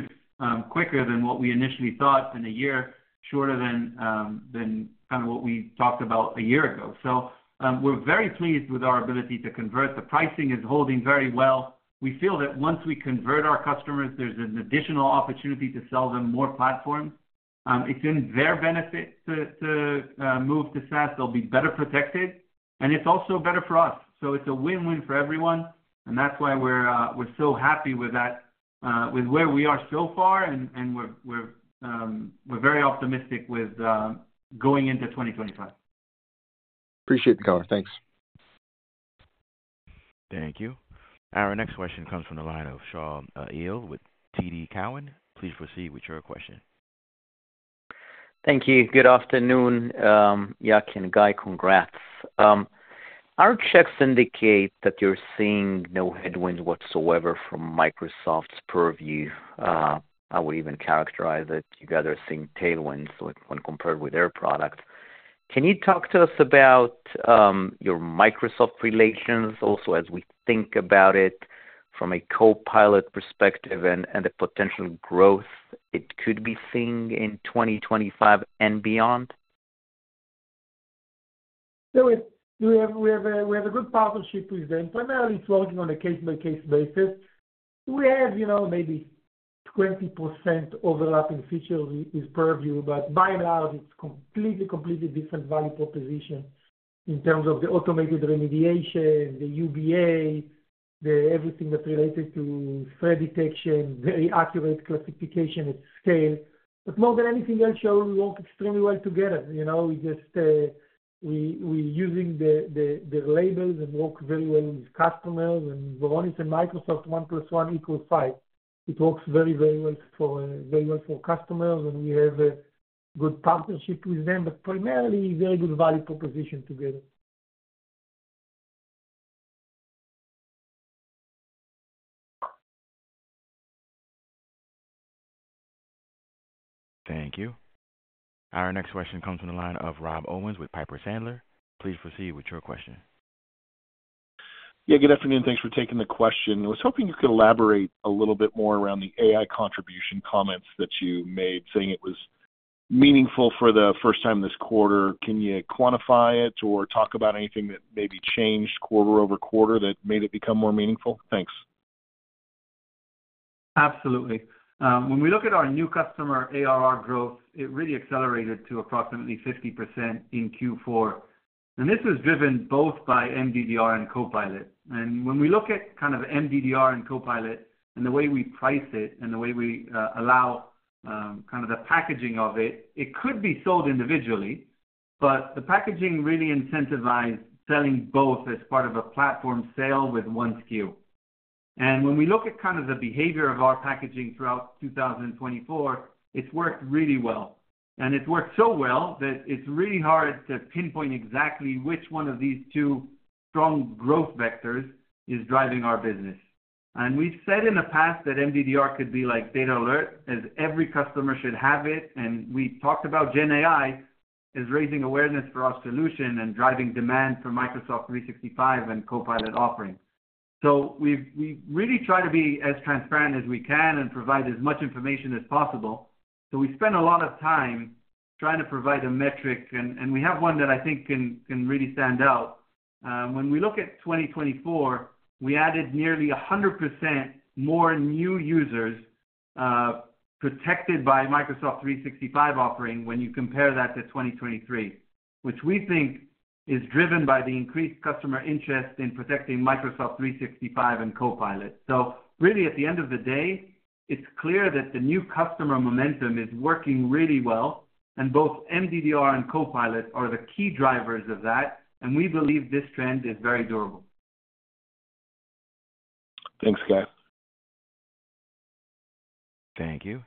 quicker than what we initially thought and a year shorter than kind of what we talked about a year ago. So we're very pleased with our ability to convert. The pricing is holding very well. We feel that once we convert our customers, there's an additional opportunity to sell them more platforms. It's in their benefit to move to SaaS. They'll be better protected. And it's also better for us. So it's a win-win for everyone. And that's why we're so happy with where we are so far. And we're very optimistic with going into 2025. Appreciate the cover. Thanks. Thank you. Our next question comes from the line of Shaul Eyal with TD Cowen. Please proceed with your question. Thank you. Good afternoon, Yaki and Guy. Congrats. Our checks indicate that you're seeing no headwinds whatsoever from Microsoft's Purview. I would even characterize that you guys are seeing tailwinds when compared with their product. Can you talk to us about your Microsoft relations also, as we think about it from a Copilot perspective and the potential growth it could be seeing in 2025 and beyond? So we have a good partnership with them. Primarily, it's working on a case-by-case basis. We have maybe 20% overlapping features with Purview, but by and large, it's completely, completely different value proposition in terms of the automated remediation, the UBA, everything that's related to threat detection, very accurate classification at scale. But more than anything else, we work extremely well together. We're using their labels and work very well with customers. Varonis and Microsoft, one plus one equals five. It works very, very well for customers, and we have a good partnership with them. Primarily, very good value proposition together. Thank you. Our next question comes from the line of Rob Owens with Piper Sandler. Please proceed with your question. Yeah, good afternoon. Thanks for taking the question. I was hoping you could elaborate a little bit more around the AI contribution comments that you made, saying it was meaningful for the first time this quarter. Can you quantify it or talk about anything that maybe changed quarter over quarter that made it become more meaningful? Thanks. Absolutely. When we look at our new customer ARR growth, it really accelerated to approximately 50% in Q4. This was driven both by MDDR and Copilot. And when we look at kind of MDDR and Copilot and the way we price it and the way we allow kind of the packaging of it, it could be sold individually, but the packaging really incentivized selling both as part of a platform sale with one SKU. And when we look at kind of the behavior of our packaging throughout 2024, it's worked really well. And it's worked so well that it's really hard to pinpoint exactly which one of these two strong growth vectors is driving our business. And we've said in the past that MDDR could be like DatAlert, as every customer should have it. And we talked about GenAI as raising awareness for our solution and driving demand for Microsoft 365 and Copilot offering. So we really try to be as transparent as we can and provide as much information as possible. So we spend a lot of time trying to provide a metric, and we have one that I think can really stand out. When we look at 2024, we added nearly 100% more new users protected by Microsoft 365 offering when you compare that to 2023, which we think is driven by the increased customer interest in protecting Microsoft 365 and Copilot. So really, at the end of the day, it's clear that the new customer momentum is working really well. And both MDDR and Copilot are the key drivers of that. And we believe this trend is very durable. Thanks, Guy. Thank you.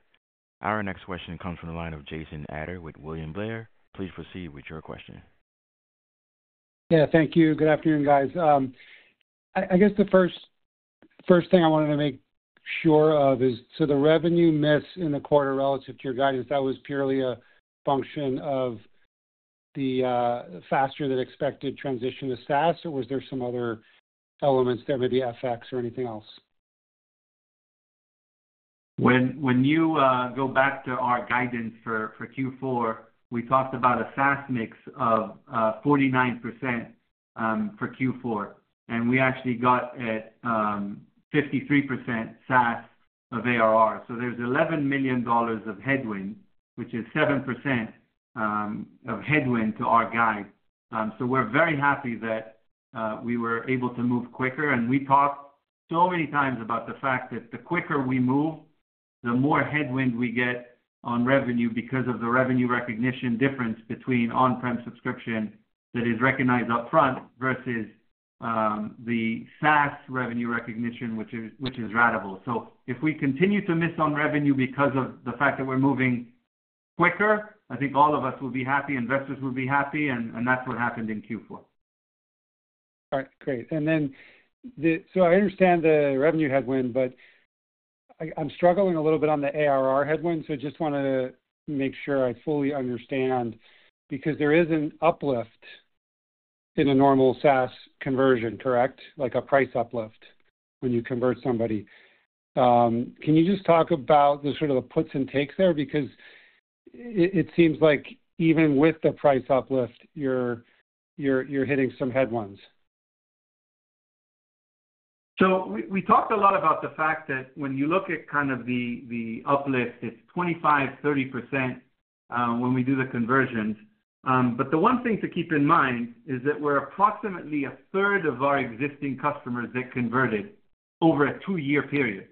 Our next question comes from the line of Jason Ader with William Blair. Please proceed with your question. Yeah, thank you. Good afternoon, guys. I guess the first thing I wanted to make sure of is, so the revenue miss in the quarter relative to your guidance, that was purely a function of the faster-than-expected transition to SaaS, or was there some other elements there, maybe FX or anything else? When you go back to our guidance for Q4, we talked about a SaaS mix of 49% for Q4, and we actually got to 53% SaaS of ARR, so there's $11 million of headwind, which is 7% of headwind to our guide, so we're very happy that we were able to move quicker, and we talked so many times about the fact that the quicker we move, the more headwind we get on revenue because of the revenue recognition difference between on-prem subscription that is recognized upfront versus the SaaS revenue recognition, which is ratable. So if we continue to miss on revenue because of the fact that we're moving quicker, I think all of us will be happy. Investors will be happy. And that's what happened in Q4. All right. Great. And then so I understand the revenue headwind, but I'm struggling a little bit on the ARR headwind. So I just want to make sure I fully understand because there is an uplift in a normal SaaS conversion, correct? Like a price uplift when you convert somebody. Can you just talk about the sort of the puts and takes there? Because it seems like even with the price uplift, you're hitting some headwinds. So we talked a lot about the fact that when you look at kind of the uplift, it's 25%-30% when we do the conversions. But the one thing to keep in mind is that we're approximately a third of our existing customers that converted over a two-year period.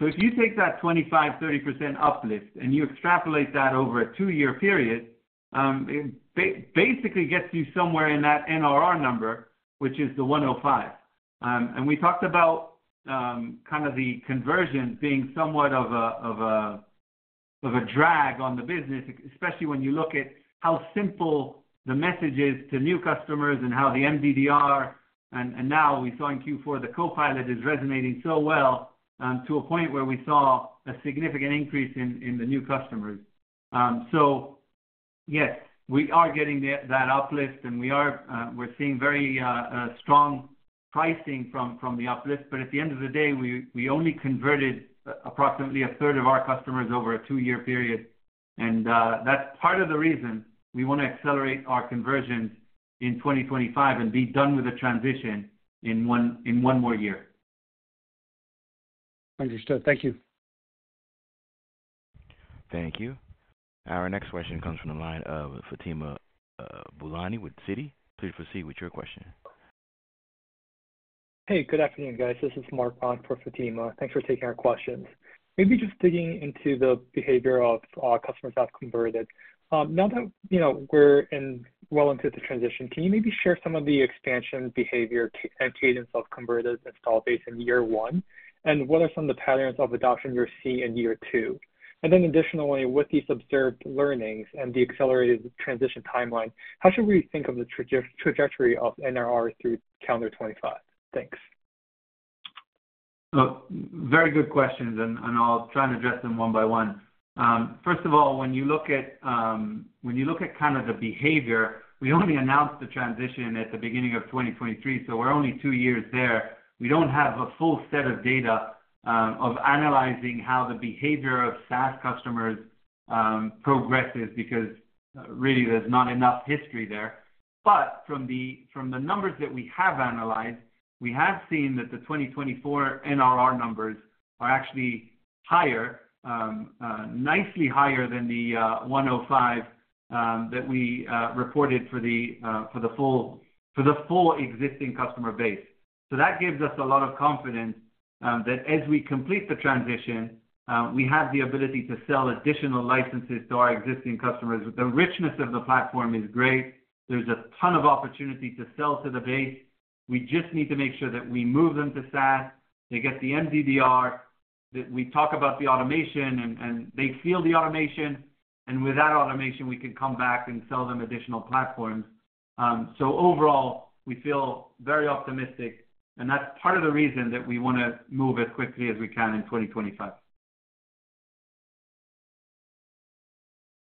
So if you take that 25%-30% uplift and you extrapolate that over a two-year period, it basically gets you somewhere in that NRR number, which is the 105. And we talked about kind of the conversion being somewhat of a drag on the business, especially when you look at how simple the message is to new customers and how the MDDR and now we saw in Q4 the Copilot is resonating so well to a point where we saw a significant increase in the new customers. So yes, we are getting that uplift, and we're seeing very strong pricing from the uplift. But at the end of the day, we only converted approximately a third of our customers over a two-year period. That's part of the reason we want to accelerate our conversions in 2025 and be done with the transition in one more year. Understood. Thank you. Thank you. Our next question comes from the line of Fatima Boolani with Citi. Please proceed with your question. Hey, good afternoon, guys. This is Mark on for Fatima. Thanks for taking our questions. Maybe just digging into the behavior of customers that have converted. Now that we're well into the transition, can you maybe share some of the expansion behavior and cadence of converted installed base in year one? And what are some of the patterns of adoption you're seeing in year two? And then additionally, with these observed learnings and the accelerated transition timeline, how should we think of the trajectory of NRR through calendar 2025? Thanks. Very good questions. I'll try and address them one by one. First of all, when you look at kind of the behavior, we only announced the transition at the beginning of 2023, so we're only two years there. We don't have a full set of data of analyzing how the behavior of SaaS customers progresses because really there's not enough history there. But from the numbers that we have analyzed, we have seen that the 2024 NRR numbers are actually higher, nicely higher than the 105% that we reported for the full existing customer base. So that gives us a lot of confidence that as we complete the transition, we have the ability to sell additional licenses to our existing customers. The richness of the platform is great. There's a ton of opportunity to sell to the base. We just need to make sure that we move them to SaaS, they get the MDDR, that we talk about the automation, and they feel the automation. And with that automation, we can come back and sell them additional platforms. So overall, we feel very optimistic. And that's part of the reason that we want to move as quickly as we can in 2025.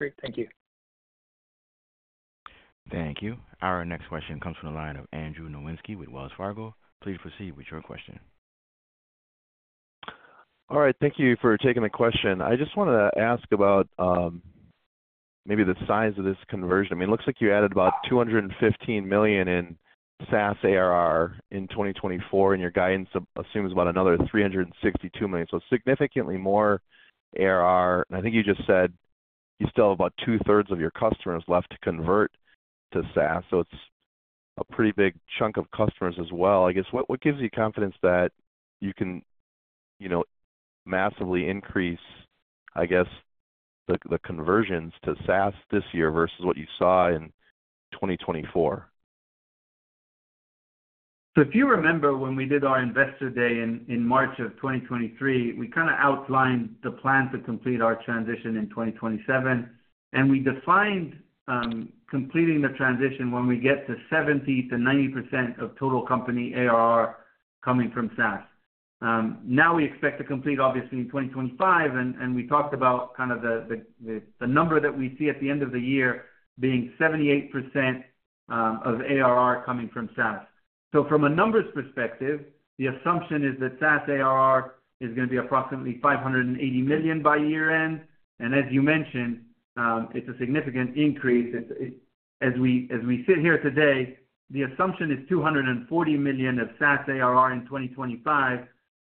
Great. Thank you. Thank you. Our next question comes from the line of Andrew Nowinski with Wells Fargo. Please proceed with your question. All right. Thank you for taking the question. I just wanted to ask about maybe the size of this conversion. I mean, it looks like you added about $215 million in SaaS ARR in 2024, and your guidance assumes about another $362 million. So significantly more ARR. I think you just said you still have about 2/3 of your customers left to convert to SaaS. It's a pretty big chunk of customers as well. I guess what gives you confidence that you can massively increase, I guess, the conversions to SaaS this year versus what you saw in 2024? If you remember when we did our Investor Day in March of 2023, we kind of outlined the plan to complete our transition in 2027. We defined completing the transition when we get to 70%-90% of total company ARR coming from SaaS. Now we expect to complete, obviously, in 2025. We talked about kind of the number that we see at the end of the year being 78% of ARR coming from SaaS. So from a numbers perspective, the assumption is that SaaS ARR is going to be approximately $580 million by year-end. And as you mentioned, it's a significant increase. As we sit here today, the assumption is $240 million of SaaS ARR in 2025,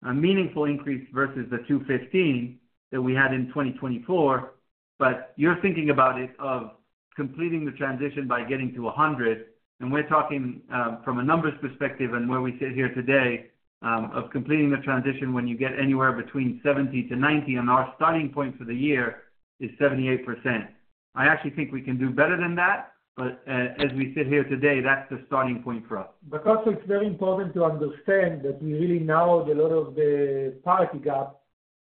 a meaningful increase versus the $215 million that we had in 2024. But you're thinking about it of completing the transition by getting to 100%. And we're talking from a numbers perspective and where we sit here today of completing the transition when you get anywhere between 70%-90%. And our starting point for the year is 78%. I actually think we can do better than that, but as we sit here today, that's the starting point for us. Because it's very important to understand that we really narrowed a lot of the parity gap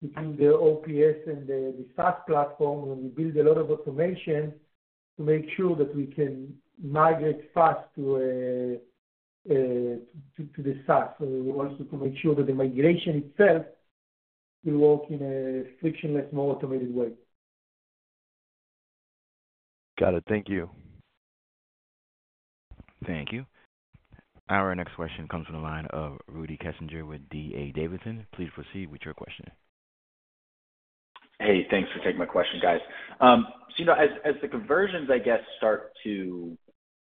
between the on-prem and the SaaS platform when we build a lot of automation to make sure that we can migrate fast to the SaaS, also to make sure that the migration itself will work in a frictionless, more automated way. Got it. Thank you. Thank you. Our next question comes from the line of Rudy Kessinger with D.A. Davidson. Please proceed with your question. Hey, thanks for taking my question, guys. So as the conversions, I guess, start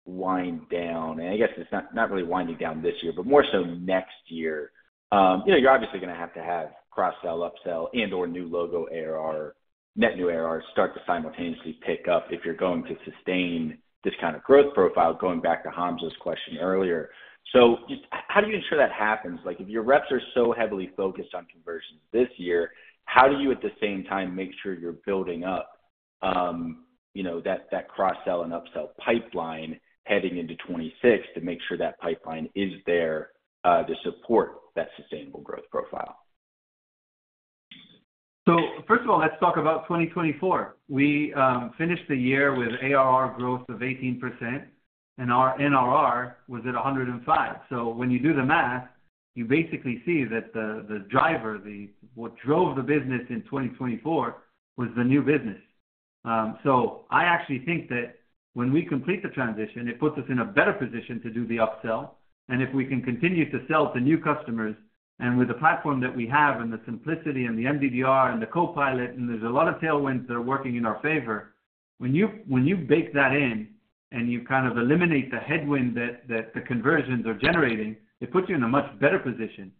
to wind down, and I guess it's not really winding down this year, but more so next year, you're obviously going to have to have cross-sell, upsell, and/or new logo ARR, net new ARR start to simultaneously pick up if you're going to sustain this kind of growth profile going back to Hamza's question earlier. So how do you ensure that happens? If your reps are so heavily focused on conversions this year, how do you at the same time make sure you're building up that cross-sell and upsell pipeline heading into 2026 to make sure that pipeline is there to support that sustainable growth profile? So first of all, let's talk about 2024. We finished the year with ARR growth of 18%, and our NRR was at 105. So when you do the math, you basically see that the driver, what drove the business in 2024, was the new business. So I actually think that when we complete the transition, it puts us in a better position to do the upsell. And if we can continue to sell to new customers and with the platform that we have and the simplicity and the MDDR and the Copilot, and there's a lot of tailwinds that are working in our favor, when you bake that in and you kind of eliminate the headwind that the conversions are generating, it puts you in a much better position.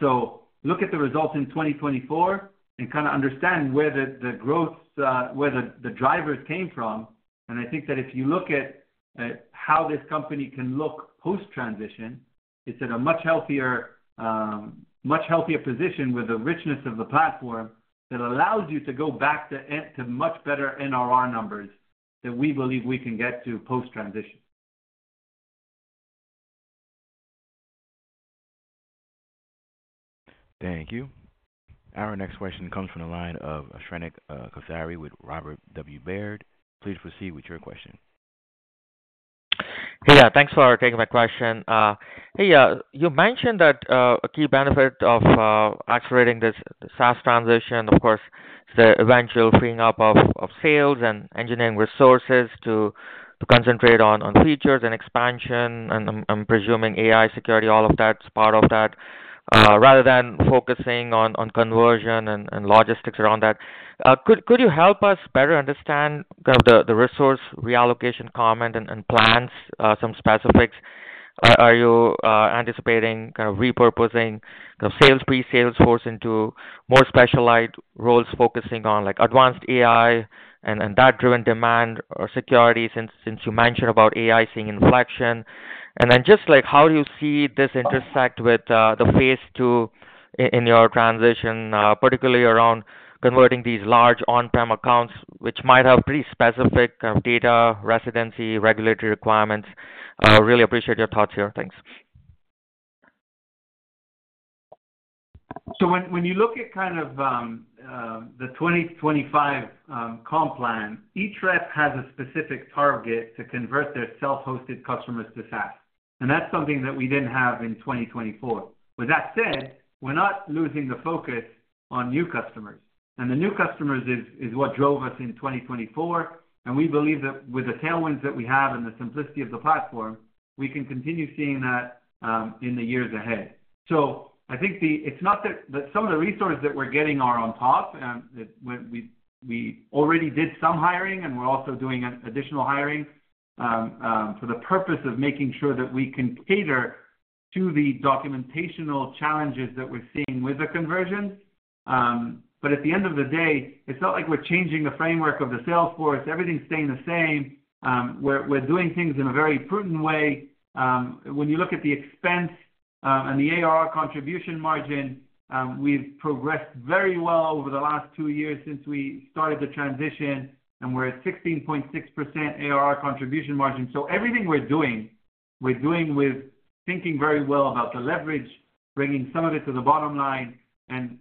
So look at the results in 2024 and kind of understand where the growth, where the drivers came from. And I think that if you look at how this company can look post-transition, it's at a much healthier position with the richness of the platform that allows you to go back to much better NRR numbers that we believe we can get to post-transition. Thank you. Our next question comes from the line of Shrenik Kothari with Robert W. Baird. Please proceed with your question. Hey, yeah, thanks for taking my question. Hey, you mentioned that a key benefit of accelerating this SaaS transition, of course, is the eventual freeing up of sales and engineering resources to concentrate on features and expansion. And I'm presuming AI security, all of that's part of that, rather than focusing on conversion and logistics around that. Could you help us better understand kind of the resource reallocation comment and plans, some specifics? Are you anticipating kind of repurposing the sales presales force into more specialized roles focusing on advanced AI and that-driven demand or security since you mentioned about AI seeing inflection? And then just how do you see this intersect with the phase two in your transition, particularly around converting these large on-prem accounts, which might have pretty specific kind of data residency regulatory requirements? Really appreciate your thoughts here. Thanks. So when you look at kind of the 2025 comp plan, each rep has a specific target to convert their self-hosted customers to SaaS. And that's something that we didn't have in 2024. With that said, we're not losing the focus on new customers. And the new customers is what drove us in 2024. And we believe that with the tailwinds that we have and the simplicity of the platform, we can continue seeing that in the years ahead. So I think it's not that some of the resources that we're getting are on top. We already did some hiring, and we're also doing additional hiring for the purpose of making sure that we can cater to the documentational challenges that we're seeing with the conversion. But at the end of the day, it's not like we're changing the framework of the sales force. Everything's staying the same. We're doing things in a very prudent way. When you look at the expense and the ARR contribution margin, we've progressed very well over the last two years since we started the transition, and we're at 16.6% ARR contribution margin. So everything we're doing, we're doing with thinking very well about the leverage, bringing some of it to the bottom line, and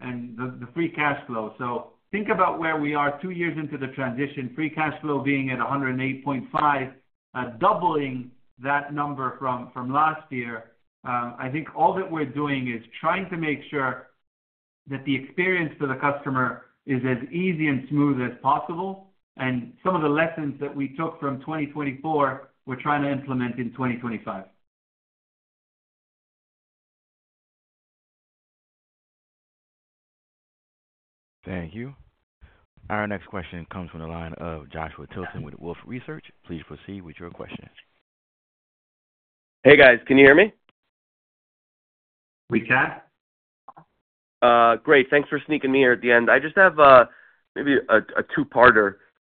the free cash flow. So think about where we are two years into the transition, free cash flow being at $108.5, doubling that number from last year. I think all that we're doing is trying to make sure that the experience for the customer is as easy and smooth as possible. And some of the lessons that we took from 2024, we're trying to implement in 2025. Thank you. Our next question comes from the line of Joshua Tilton with Wolfe Research. Please proceed with your question. Hey, guys. Can you hear me? We can. Great. Thanks for squeezing me in here at the end.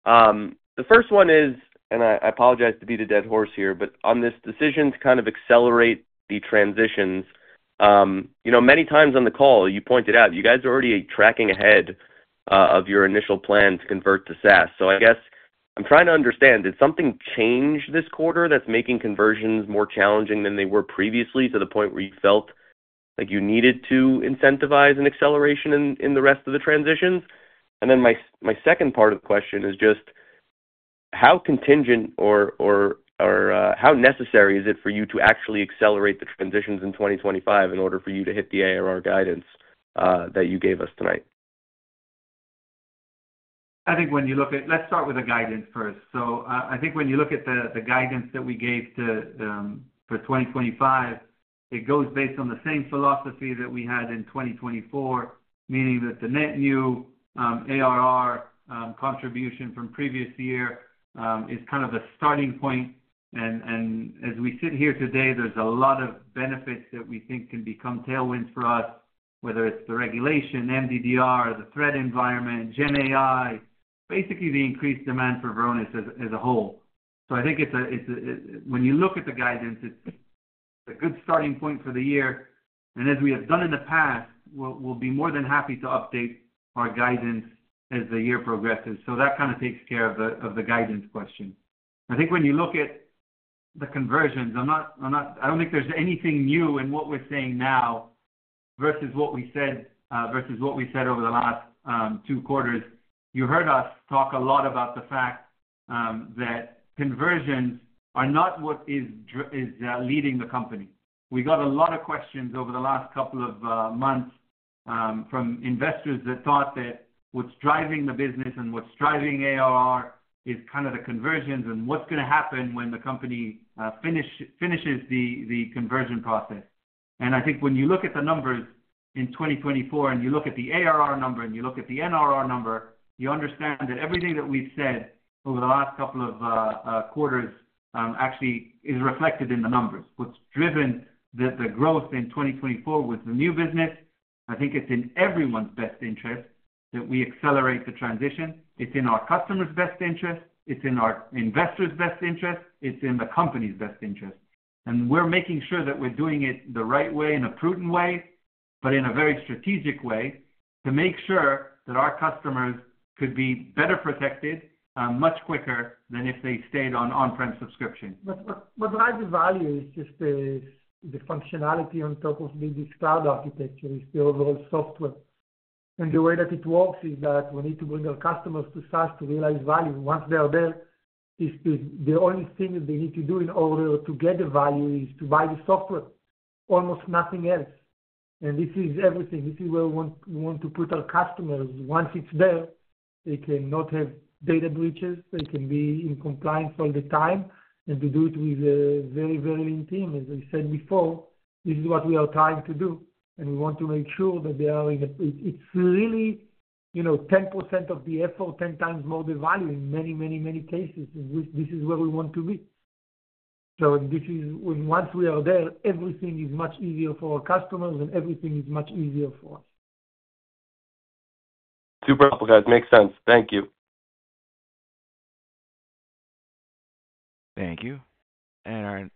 I just have maybe a two-parter. The first one is, and I apologize for beating the dead horse here, but on this decision to kind of accelerate the transitions, many times on the call, you pointed out you guys are already tracking ahead of your initial plan to convert to SaaS. So I guess I'm trying to understand, did something change this quarter that's making conversions more challenging than they were previously to the point where you felt like you needed to incentivize an acceleration in the rest of the transitions? And then my second part of the question is just how contingent or how necessary is it for you to actually accelerate the transitions in 2025 in order for you to hit the ARR guidance that you gave us tonight? I think when you look at, let's start with the guidance first. So I think when you look at the guidance that we gave for 2025, it goes based on the same philosophy that we had in 2024, meaning that the net new ARR contribution from previous year is kind of a starting point. And as we sit here today, there's a lot of benefits that we think can become tailwinds for us, whether it's the regulation, MDDR, the threat environment, GenAI, basically the increased demand for Varonis as a whole. So I think when you look at the guidance, it's a good starting point for the year. And as we have done in the past, we'll be more than happy to update our guidance as the year progresses. So that kind of takes care of the guidance question. I think when you look at the conversions, I don't think there's anything new in what we're saying now versus what we said versus what we said over the last two quarters. You heard us talk a lot about the fact that conversions are not what is leading the company. We got a lot of questions over the last couple of months from investors that thought that what's driving the business and what's driving ARR is kind of the conversions and what's going to happen when the company finishes the conversion process, and I think when you look at the numbers in 2024 and you look at the ARR number and you look at the NRR number, you understand that everything that we've said over the last couple of quarters actually is reflected in the numbers. What's driven the growth in 2024 with the new business? I think it's in everyone's best interest that we accelerate the transition. It's in our customer's best interest. It's in our investor's best interest. It's in the company's best interest, and we're making sure that we're doing it the right way in a prudent way, but in a very strategic way to make sure that our customers could be better protected much quicker than if they stayed on-prem subscription. But what the value is just the functionality on top of this cloud architecture, is the overall software, and the way that it works is that we need to bring our customers to SaaS to realize value. Once they're there, the only thing that they need to do in order to get the value is to buy the software, almost nothing else, and this is everything. This is where we want to put our customers. Once it's there, they can not have data breaches. They can be in compliance all the time. To do it with a very, very lean team, as I said before, this is what we are trying to do. We want to make sure that they are in a. It's really 10% of the effort, 10x more the value in many, many, many cases. This is where we want to be. Once we are there, everything is much easier for our customers, and everything is much easier for us. Super helpful, guys. Makes sense. Thank you. Thank you. Our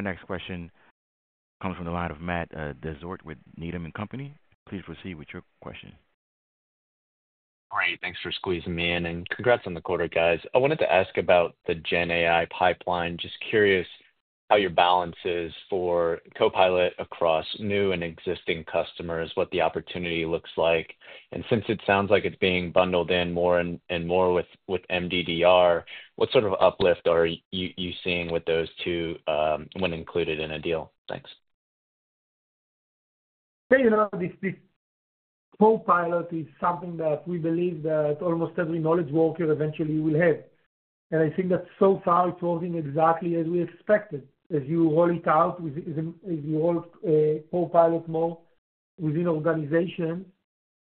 next question comes from the line of Matt Dezort with Needham & Company. Please proceed with your question. Great. Thanks for squeezing me in. Congrats on the quarter, guys. I wanted to ask about the GenAI pipeline. Just curious how your balance is for Copilot across new and existing customers, what the opportunity looks like. And since it sounds like it's being bundled in more and more with MDDR, what sort of uplift are you seeing with those two when included in a deal? Thanks. Yeah, this Copilot is something that we believe that almost every knowledge worker eventually will have. And I think that so far it's working exactly as we expected. As you roll it out, as you roll Copilot more within organizations,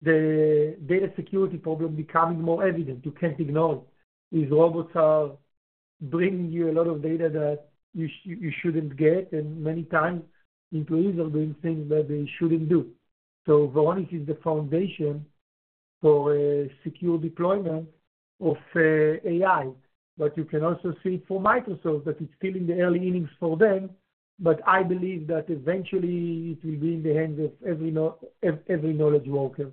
the data security problem becoming more evident. You can't ignore it. These robots are bringing you a lot of data that you shouldn't get, and many times employees are doing things that they shouldn't do. So Varonis is the foundation for a secure deployment of AI. But you can also see it for Microsoft that it's still in the early innings for them, but I believe that eventually it will be in the hands of every knowledge worker.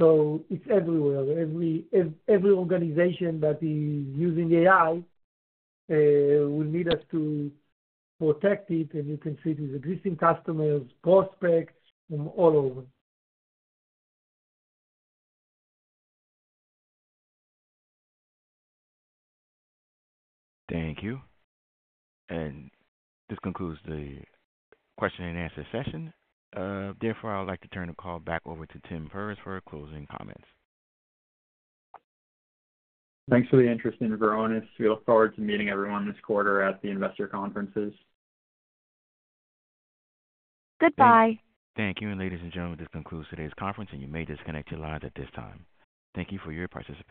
So it's everywhere. Every organization that is using AI will need us to protect it, and you can see it with existing customers, prospects from all over. Thank you. And this concludes the question-and-answer session. Therefore, I would like to turn the call back over to Tim Perz for closing comments. Thanks for the interest in Varonis. We look forward to meeting everyone this quarter at the investor conferences. Goodbye. Thank you. And ladies and gentlemen, this concludes today's conference, and you may disconnect your lines at this time. Thank you for your participation.